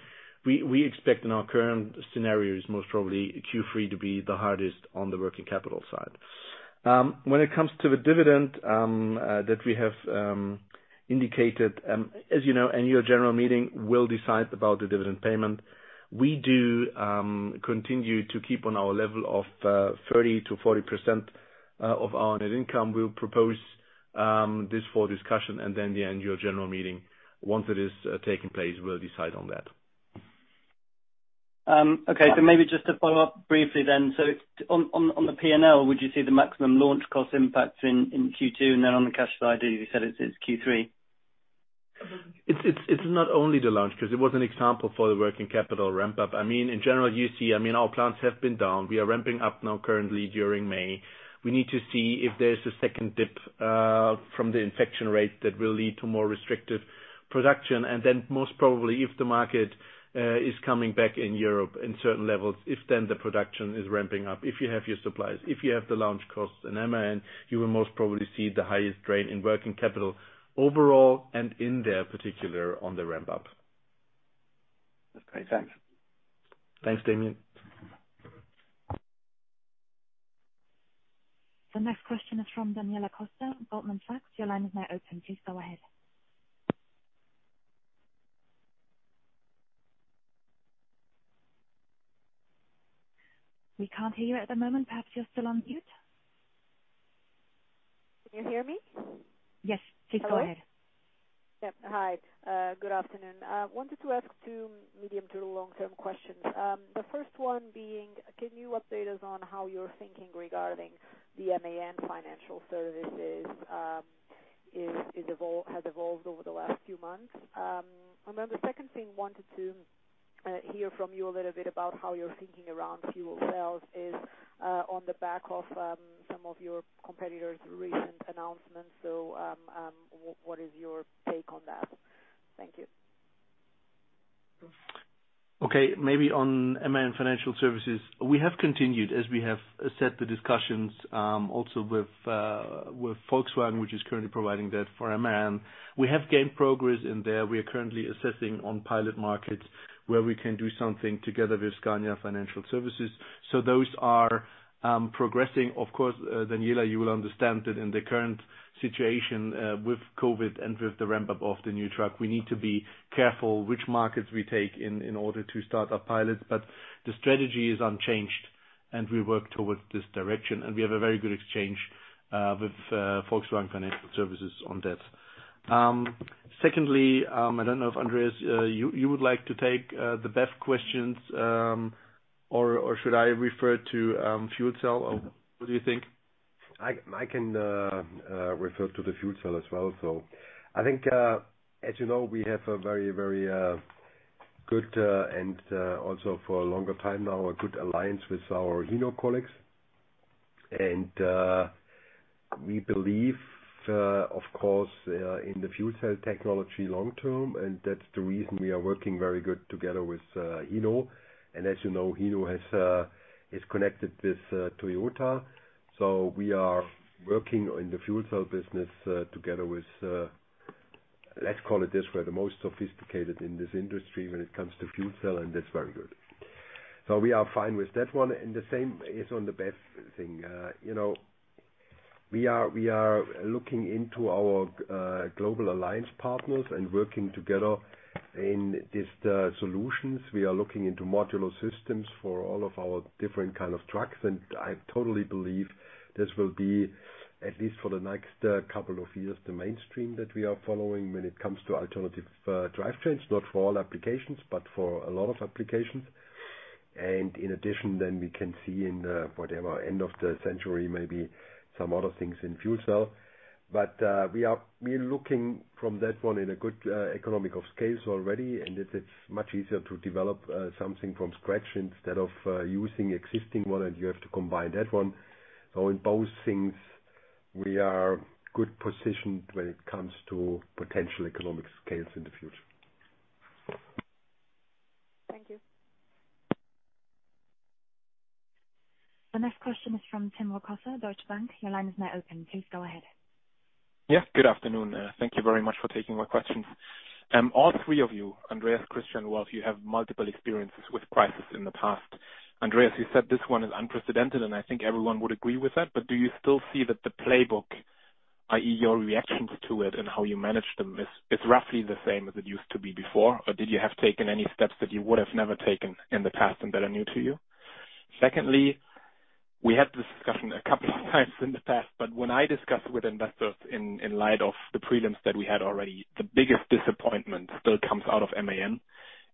we expect in our current scenarios, most probably Q3 to be the hardest on the working capital side. When it comes to the dividend that we have indicated, as you know, annual general meeting will decide about the dividend payment. We do continue to keep on our level of 30%-40% of our net income. We'll propose this for discussion, and then the annual general meeting, once it has taken place, will decide on that. Okay. Maybe just to follow up briefly then. On the P&L, would you see the maximum launch cost impact in Q2? On the cash side, you said it's Q3. It's not only the launch, because it was an example for the working capital ramp-up. In general, you see, our plants have been down. We are ramping up now currently during May. We need to see if there's a second dip from the infection rate that will lead to more restrictive production. Most probably, if the market is coming back in Europe in certain levels, if then the production is ramping up, if you have your suppliers, if you have the launch costs in MAN, you will most probably see the highest drain in working capital overall and in there particular on the ramp-up. That's great. Thanks. Thanks, Demian. The next question is from Daniela Costa, Goldman Sachs. Your line is now open. Please go ahead. We can't hear you at the moment. Perhaps you're still on mute. Can you hear me? Yes. Please go ahead. Hello. Yep. Hi. Good afternoon. I wanted to ask two medium to long-term questions. The first one being, can you update us on how you're thinking regarding the MAN Financial Services has evolved over the last few months? The second thing, I wanted to hear from you a little bit about how you're thinking around fuel cells is on the back of some of your competitors' recent announcements. What is your take on that? Thank you. Okay. Maybe on MAN Financial Services. We have continued, as we have set the discussions, also with Volkswagen, which is currently providing that for MAN. We have gained progress in there. We are currently assessing on pilot markets where we can do something together with Scania Financial Services. those are progressing, of course, Daniela, you will understand that in the current situation, with COVID and with the ramp-up of the new truck, we need to be careful which markets we take in order to start our pilots. the strategy is unchanged, and we work towards this direction, and we have a very good exchange, with Volkswagen Financial Services on that. Secondly, I don't know if Andreas, you would like to take the BEV questions, or should I refer to fuel cell? What do you think? I can refer to the fuel cell as well. I think, as you know, we have a very good and also for a longer time now, a good alliance with our Hino colleagues. We believe, of course, in the fuel cell technology long-term, and that's the reason we are working very good together with Hino. As you know, Hino is connected with Toyota. We are working in the fuel cell business together with, let's call it this way, the most sophisticated in this industry when it comes to fuel cell, and that's very good. We are fine with that one. The same is on the BEV thing. We are looking into our global alliance partners and working together in these solutions. We are looking into modular systems for all of our different kind of trucks. I totally believe this will be, at least for the next couple of years, the mainstream that we are following when it comes to alternative drivetrains. Not for all applications, but for a lot of applications. In addition, then we can see in, whatever, end of the century, maybe some other things in fuel cell. We're looking from that one in a good economic of scale already, and it's much easier to develop something from scratch instead of using existing one and you have to combine that one. In both things, we are good positioned when it comes to potential economic scales in the future. Thank you. The next question is from Tim Rokossa, Deutsche Bank. Your line is now open. Please go ahead. Yes, good afternoon. Thank you very much for taking my questions. All three of you, Andreas, Christian, Rolf, you have multiple experiences with crisis in the past. Andreas, you said this one is unprecedented, and I think everyone would agree with that. Do you still see that the playbook, i.e., your reactions to it and how you manage them, is roughly the same as it used to be before? Did you have taken any steps that you would have never taken in the past and that are new to you? Secondly, we had this discussion a couple of times in the past, but when I discussed with investors in light of the prelims that we had already, the biggest disappointment still comes out of MAN.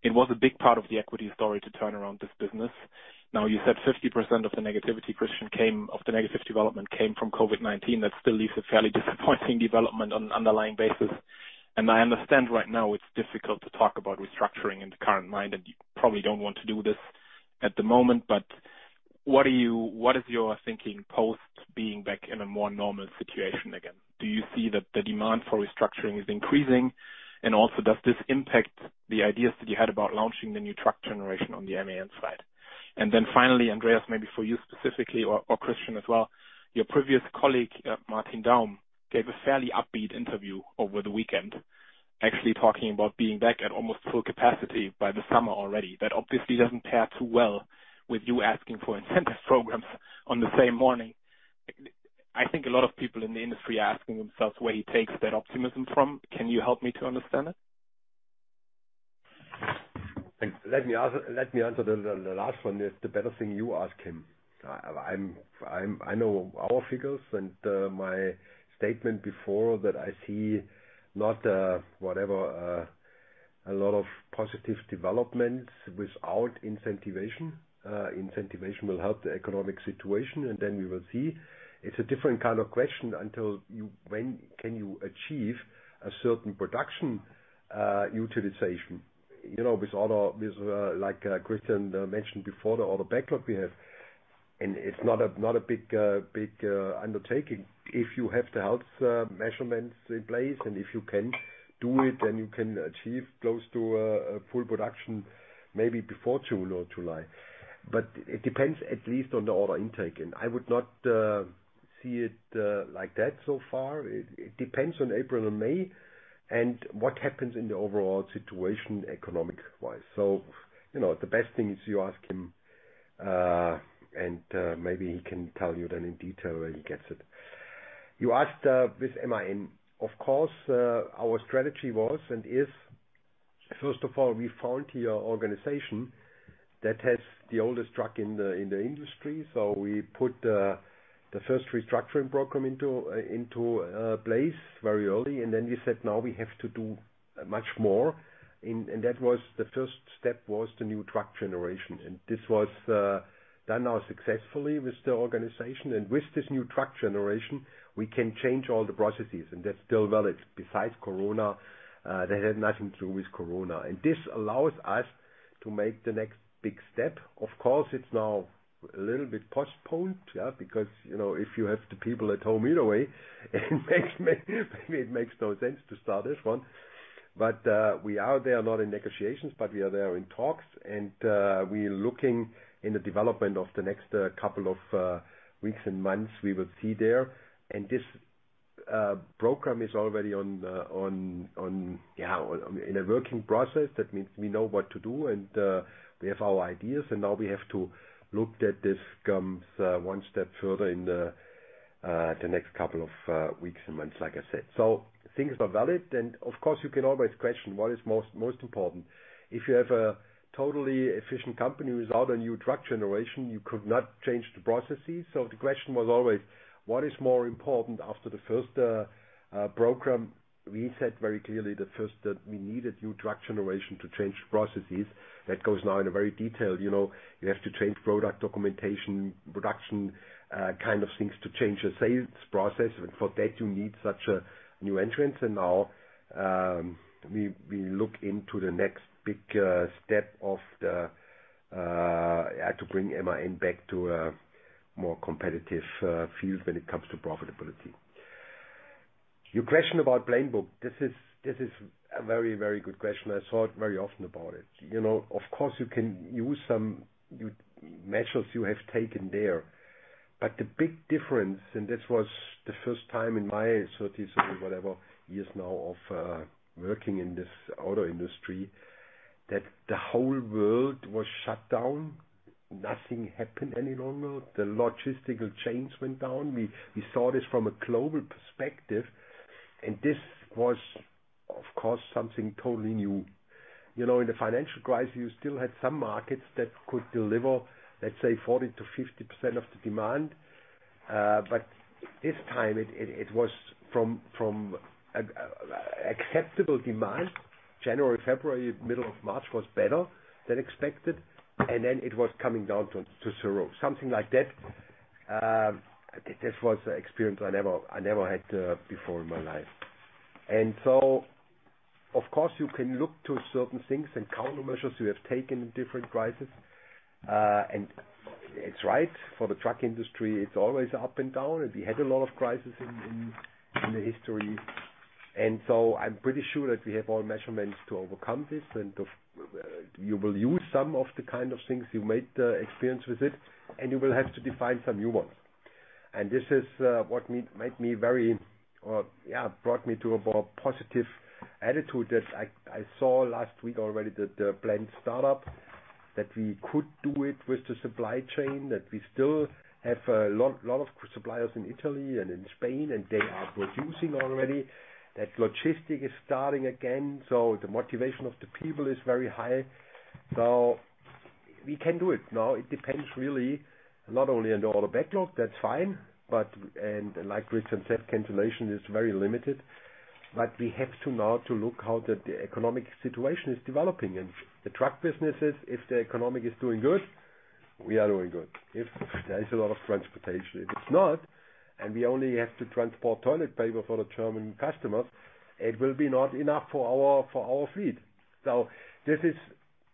It was a big part of the equity story to turn around this business. Now, you said 50% of the negativity, Christian, of the negative development came from COVID-19. That still leaves a fairly disappointing development on an underlying basis. I understand right now it's difficult to talk about restructuring in the current mind, and you probably don't want to do this at the moment, but what is your thinking post being back in a more normal situation again? Do you see that the demand for restructuring is increasing? Also does this impact the ideas that you had about launching the new truck generation on the MAN side? Finally, Andreas, maybe for you specifically or Christian as well. Your previous colleague, Martin Daum, gave a fairly upbeat interview over the weekend, actually talking about being back at almost full capacity by the summer already. That obviously doesn't pair too well with you asking for incentive programs on the same morning. I think a lot of people in the industry are asking themselves where he takes that optimism from. Can you help me to understand it? Let me answer the last one. The better thing, you ask him. I know our figures and my statement before that I see not a lot of positive developments without incentivation. Incentivation will help the economic situation, and then we will see. It's a different kind of question until when can you achieve a certain production utilization. With all the, like Christian mentioned before, the order backlog we have, and it's not a big undertaking. If you have the health measurements in place and if you can do it, then you can achieve close to full production maybe before June or July. It depends at least on the order intake. I would not see it like that so far. It depends on April and May and what happens in the overall situation economic-wise. The best thing is you ask him, and maybe he can tell you then in detail where he gets it. You asked with MAN. Of course, our strategy was and is, first of all, we found here organization that has the oldest truck in the industry. We put the first restructuring program into place very early, and then we said, now we have to do much more. That was the first step, was the new truck generation. This was done now successfully with the organization. With this new truck generation, we can change all the processes, and that's still valid besides Corona. That had nothing to do with Corona. This allows us to make the next big step. Of course, it's now a little bit postponed, yeah, because if you have the people at home anyway, maybe it makes no sense to start this one. We are there, not in negotiations, but we are there in talks and we are looking in the development of the next couple of weeks and months, we will see there. This program is already in a working process. That means we know what to do and we have our ideas, and now we have to look that this comes one step further in the next couple of weeks and months, like I said. Things are valid, and of course, you can always question what is most important. If you have a totally efficient company without a new truck generation, you could not change the processes. The question was always, what is more important after the first program? We said very clearly the first, that we need a new truck generation to change processes. That goes now into very detailed. You have to change product documentation, production kind of things to change the sales process. For that you need such a new entrance. Now we look into the next big step. I had to bring MAN back to a more competitive field when it comes to profitability. Your question about playbook, this is a very good question. I thought very often about it. Of course, you can use some measures you have taken there. The big difference, and this was the first time in my 30, whatever years now of working in this auto industry, that the whole world was shut down. Nothing happened any longer. The logistical chains went down. We saw this from a global perspective, and this was, of course, something totally new. In the financial crisis, you still had some markets that could deliver, let's say, 40%-50% of the demand. This time it was from acceptable demand. January, February, middle of March was better than expected, and then it was coming down to zero, something like that. This was an experience I never had before in my life. Of course you can look to certain things and countermeasures you have taken in different crises. It's right for the truck industry. It's always up and down. We had a lot of crises in the history. I'm pretty sure that we have all measurements to overcome this. You will use some of the kind of things you made experience with it, and you will have to define some new ones. This is what brought me to a more positive attitude that I saw last week already, that the plant startup, that we could do it with the supply chain, that we still have a lot of suppliers in Italy and in Spain, and they are producing already. That logistics is starting again, the motivation of the people is very high. We can do it now. It depends really not only on the order backlog, that's fine, but like Christian said, cancellation is very limited. We have to now to look how the economic situation is developing. The truck business is, if the economy is doing good, we are doing good. If there is a lot of transportation. If it's not, and we only have to transport toilet paper for the German customers, it will be not enough for our fleet. This is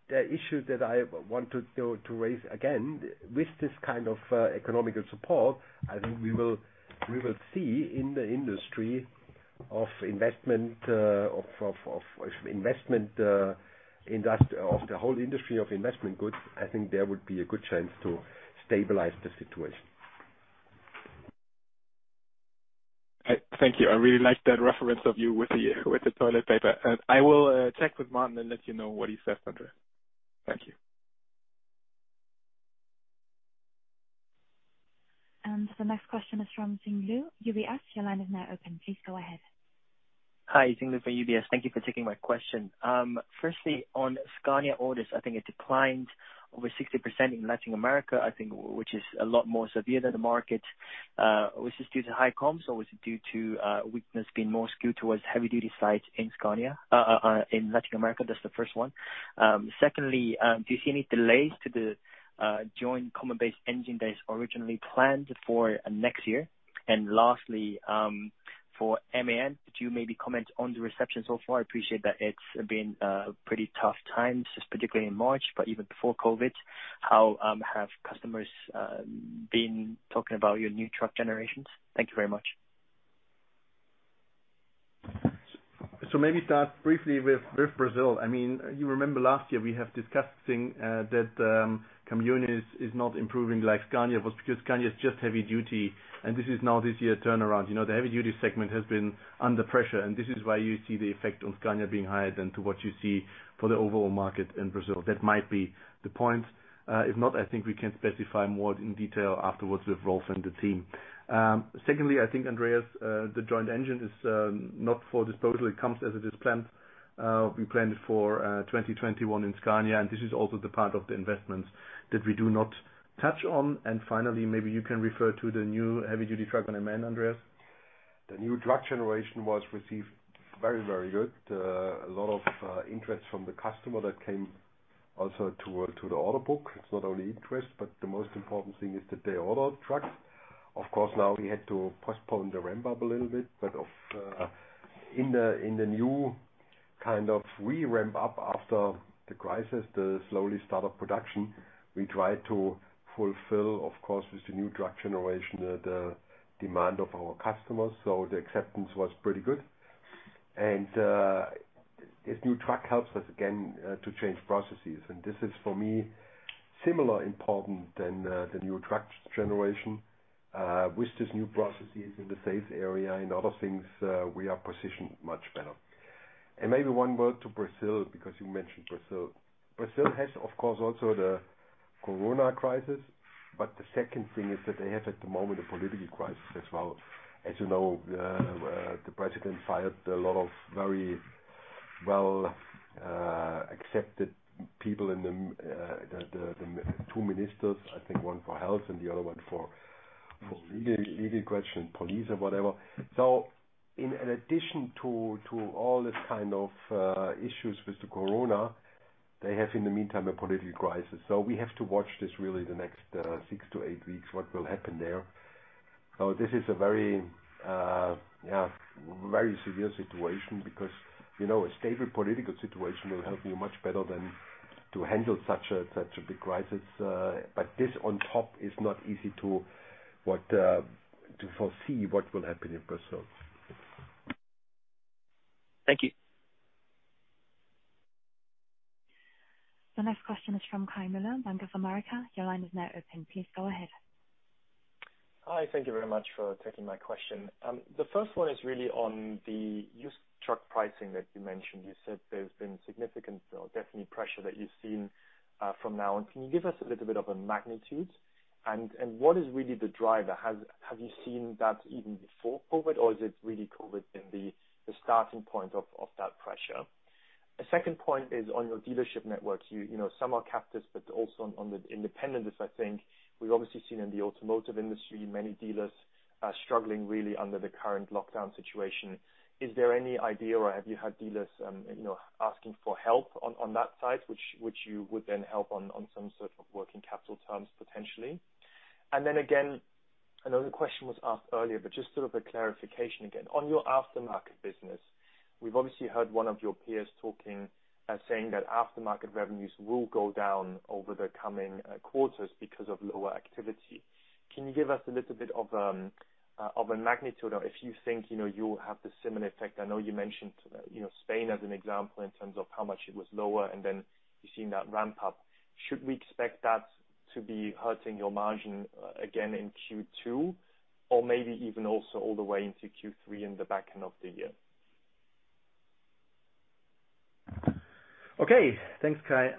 the issue that I want to raise again. With this kind of economical support, I think we will see in the industry of investment, of the whole industry of investment goods. I think there would be a good chance to stabilize the situation. Thank you. I really like that reference of you with the toilet paper. I will check with Martin and let you know what he says on this. The next question is from Xing Lu, UBS. Your line is now open. Please go ahead. Hi, Xing Lu from UBS. Thank you for taking my question. Firstly, on Scania orders, I think it declined over 60% in Latin America, I think, which is a lot more severe than the market. Was this due to high comps, or was it due to weakness being more skewed towards heavy-duty sites in Latin America? That's the first one. Secondly, do you see any delays to the joint common-based engine that is originally planned for next year? Lastly, for MAN, could you maybe comment on the reception so far? I appreciate that it's been pretty tough times, particularly in March, but even before COVID. How have customers been talking about your new truck generations? Thank you very much. Maybe start briefly with Brazil. You remember last year we have discussed thing that community is not improving like Scania was because Scania is just heavy duty, and this is now this year turnaround. The heavy duty segment has been under pressure, and this is why you see the effect on Scania being higher than to what you see for the overall market in Brazil. That might be the point. If not, I think we can specify more in detail afterwards with Rolf and the team. Secondly, I think, Andreas, the joint engine is not for disposal. It comes as it is planned. We planned it for 2021 in Scania, and this is also the part of the investments that we do not touch on. Finally, maybe you can refer to the new heavy-duty truck on MAN, Andreas. The new truck generation was received very, very good. A lot of interest from the customer that came also to the order book. It's not only interest, but the most important thing is that they order trucks. Of course, now we had to postpone the ramp-up a little bit, but in the new kind of re-ramp-up after the crisis, the slowly start of production, we try to fulfill, of course, with the new truck generation, the demand of our customers. The acceptance was pretty good. This new truck helps us again to change processes. This is, for me, similar important than the new truck generation. With these new processes in the sales area and other things, we are positioned much better. Maybe one word to Brazil, because you mentioned Brazil. Brazil has, of course, also the Corona crisis. The second thing is that they have, at the moment, a political crisis as well. As you know, the president fired a lot of very well-accepted people, the two ministers, I think, one for health and the other one for legal question, police or whatever. In addition to all this kind of issues with the Corona, they have, in the meantime, a political crisis. We have to watch this really the next six to eight weeks, what will happen there. This is a very severe situation because a stable political situation will help you much better than to handle such a big crisis. This on top is not easy to foresee what will happen in Brazil. Thank you. The next question is from Kai Mueller, Bank of America. Your line is now open. Please go ahead. Hi. Thank you very much for taking my question. The first one is really on the used truck pricing that you mentioned. You said there's been significant or definite pressure that you've seen from now on. Can you give us a little bit of a magnitude? What is really the driver? Have you seen that even before COVID, or is it really COVID being the starting point of that pressure? A second point is on your dealership network. Some are captives, but also on the independent, as I think we've obviously seen in the automotive industry, many dealers are struggling really under the current lockdown situation. Is there any idea or have you had dealers asking for help on that side, which you would then help on some sort of working capital terms potentially? Again, I know the question was asked earlier, but just sort of a clarification again. On your aftermarket business, we've obviously heard one of your peers talking, saying that aftermarket revenues will go down over the coming quarters because of lower activity. Can you give us a little bit of a magnitude, or if you think you will have the similar effect? I know you mentioned Spain as an example in terms of how much it was lower, and then you've seen that ramp up. Should we expect that to be hurting your margin again in Q2 or maybe even also all the way into Q3 in the back end of the year? Okay. Thanks, Kai.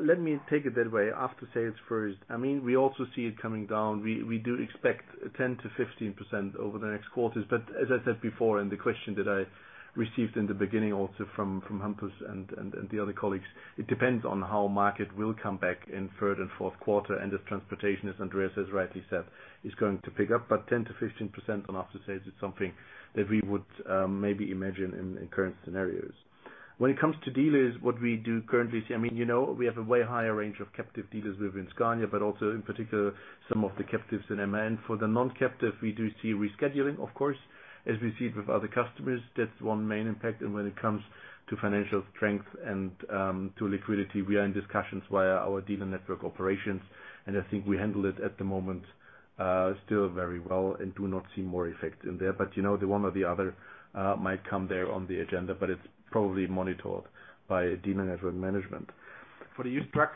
Let me take it that way. After sales first. We also see it coming down. We do expect 10%-15% over the next quarters. As I said before, and the question that I received in the beginning also from Hampus and the other colleagues, it depends on how market will come back in third and fourth quarter. If transportation, as Andreas has rightly said, is going to pick up. 10%-15% on after sales is something that we would maybe imagine in current scenarios. When it comes to dealers, what we do currently see, we have a way higher range of captive dealers within Scania, but also in particular, some of the captives in MAN. For the non-captive, we do see rescheduling, of course, as we see it with other customers. That's one main impact. When it comes to financial strength and to liquidity, we are in discussions via our dealer network operations, and I think we handle it at the moment still very well and do not see more effect in there. the one or the other might come there on the agenda, but it's probably monitored by dealer network management. For the used truck,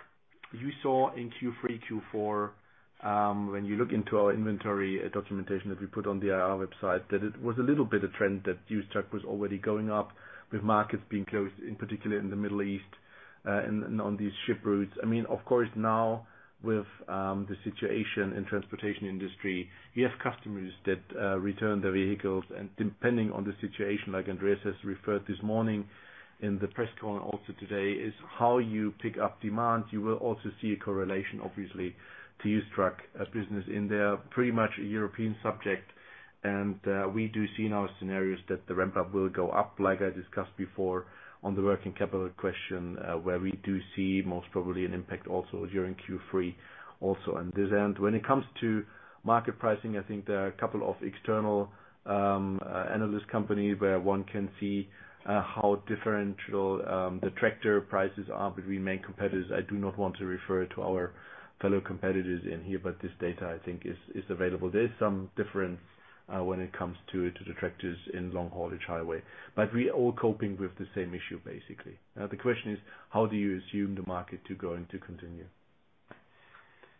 you saw in Q3, Q4, when you look into our inventory documentation that we put on the IR website, that it was a little bit of trend that used truck was already going up with markets being closed, in particular in the Middle East. On these ship routes. Of course now with the situation in transportation industry, we have customers that return their vehicles and depending on the situation, like Andreas has referred this morning in the press call also today, is how you pick up demand. You will also see a correlation obviously to used truck as business in there. Pretty much a European subject. We do see in our scenarios that the ramp-up will go up, like I discussed before on the working capital question, where we do see most probably an impact also during Q3 also. When it comes to market pricing, I think there are a couple of external analyst company where one can see how different the tractor prices are between main competitors. I do not want to refer to our fellow competitors in here, but this data I think is available. There is some difference when it comes to the tractors in long haulage highway. We all coping with the same issue, basically. The question is how do you assume the market to going to continue?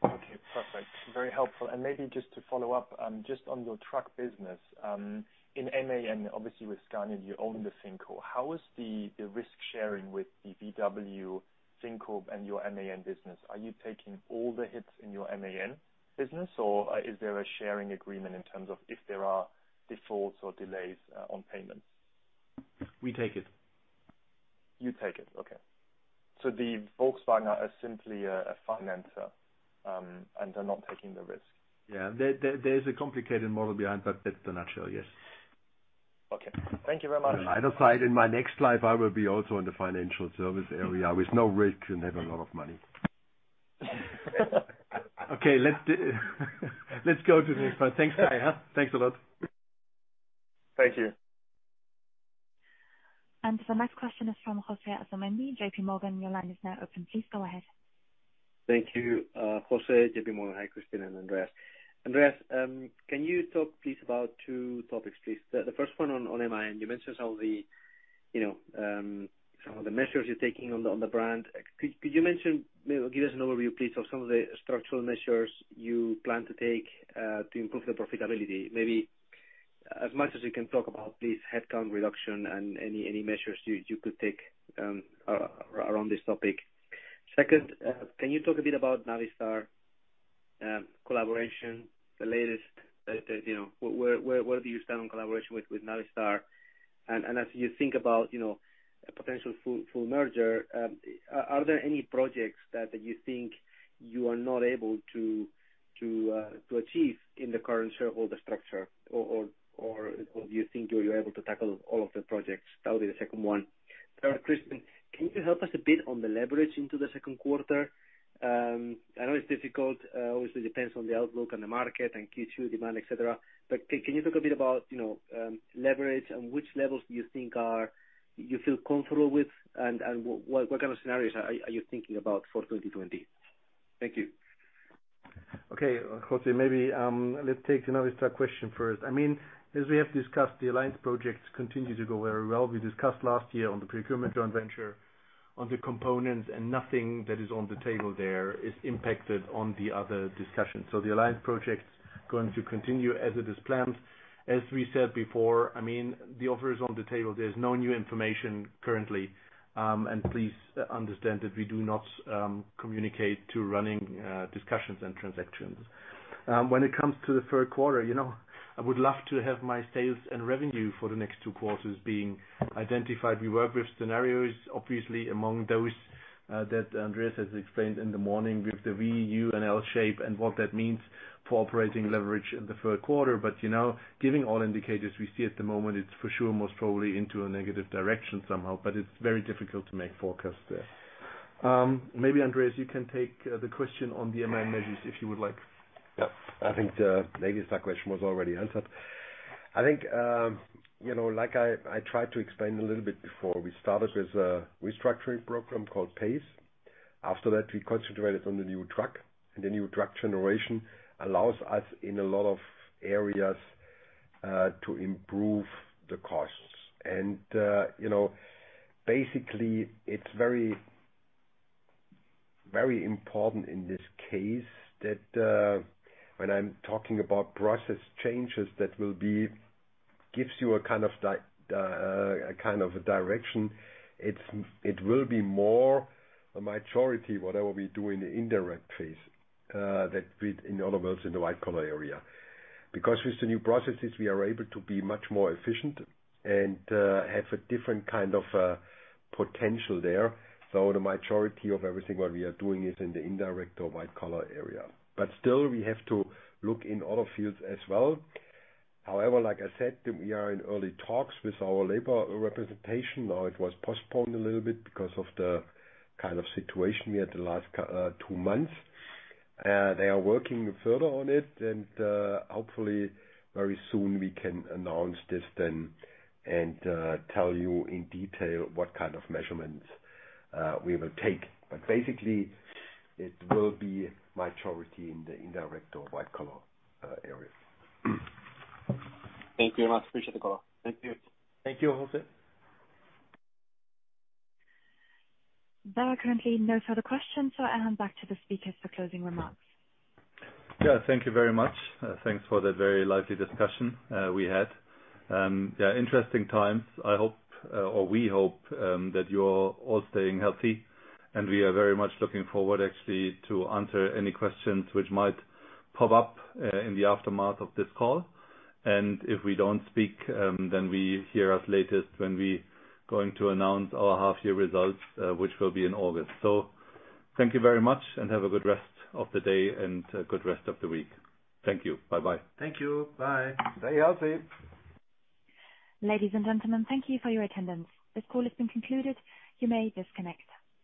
Okay, perfect. Very helpful. Maybe just to follow up, just on your truck business, in MAN, obviously with Scania, you own the Finco. How is the risk-sharing with the VW Finco and your MAN business? Are you taking all the hits in your MAN business, or is there a sharing agreement in terms of if there are defaults or delays on payments? We take it. You take it. Okay. The Volkswagen are simply a financer, and are not taking the risk. There is a complicated model behind, but that's the nutshell, yes. Okay. Thank you very much. Either side, in my next life, I will be also in the financial service area with no risk and have a lot of money. Let's go to the next one. Thanks, Kai. Thanks a lot. Thank you. The next question is from Jose Asumendi, JPMorgan, your line is now open. Please go ahead. Thank you. Jose, JPMorgan. Hi, Christian and Andreas. Andreas, can you talk please about two topics, please? The first one on MAN. You mentioned some of the measures you're taking on the brand. Could you give us an overview, please, of some of the structural measures you plan to take to improve the profitability? Maybe as much as you can talk about please, headcount reduction and any measures you could take around this topic. Second, can you talk a bit about Navistar collaboration, the latest. Where do you stand on collaboration with Navistar? As you think about a potential full merger, are there any projects that you think you are not able to achieve in the current shareholder structure? Do you think you're able to tackle all of the projects? That would be the second one. Christian, can you help us a bit on the leverage into the second quarter? I know it's difficult. Obviously depends on the outlook and the market and Q2 demand, et cetera. Can you talk a bit about leverage and which levels do you think you feel comfortable with, and what kind of scenarios are you thinking about for 2020? Thank you. Okay. Jose, maybe, let's take the Navistar question first. As we have discussed, the alliance projects continue to go very well. We discussed last year on the procurement joint venture on the components, and nothing that is on the table there is impacted on the other discussions. The alliance project's going to continue as it is planned. As we said before, the offer is on the table. There's no new information currently. Please understand that we do not communicate to running discussions and transactions. When it comes to the third quarter, I would love to have my sales and revenue for the next two quarters being identified. We work with scenarios, obviously among those, that Andreas has explained in the morning with the V, U, and L shape and what that means for operating leverage in the third quarter. Giving all indicators we see at the moment, it's for sure most probably into a negative direction somehow, but it's very difficult to make forecasts there. Maybe Andreas, you can take the question on the MAN measures if you would like. I think the Navistar question was already answered. I think, like I tried to explain a little bit before, we started with a restructuring program called Pace. After that, we concentrated on the new truck, the new truck generation allows us in a lot of areas, to improve the costs. Basically it's very important in this case that, when I'm talking about process changes, that will gives you a kind of a direction. It will be more a majority what I will be doing in the indirect phase, that fit in other words, in the white-collar area. With the new processes, we are able to be much more efficient and have a different kind of potential there. The majority of everything what we are doing is in the indirect or white-collar area. Still, we have to look in other fields as well. Like I said, we are in early talks with our labor representation, now it was postponed a little bit because of the kind of situation we had the last two months. Hopefully very soon we can announce this then and tell you in detail what kind of measurements we will take. Basically, it will be majority in the indirect or white-collar areas. Thank you very much. Appreciate the call. Thank you. Thank you, Jose. There are currently no further questions, so I hand back to the speakers for closing remarks. Yeah, thank you very much. Thanks for the very lively discussion we had. Yeah, interesting times. I hope, or we hope, that you're all staying healthy and we are very much looking forward actually to answer any questions which might pop up in the aftermath of this call. If we don't speak, then we hear us latest when we going to announce our half year results, which will be in August. Thank you very much and have a good rest of the day and a good rest of the week. Thank you. Bye-bye. Thank you. Bye. Stay healthy. Ladies and gentlemen, thank you for your attendance. This call has been concluded. You may disconnect.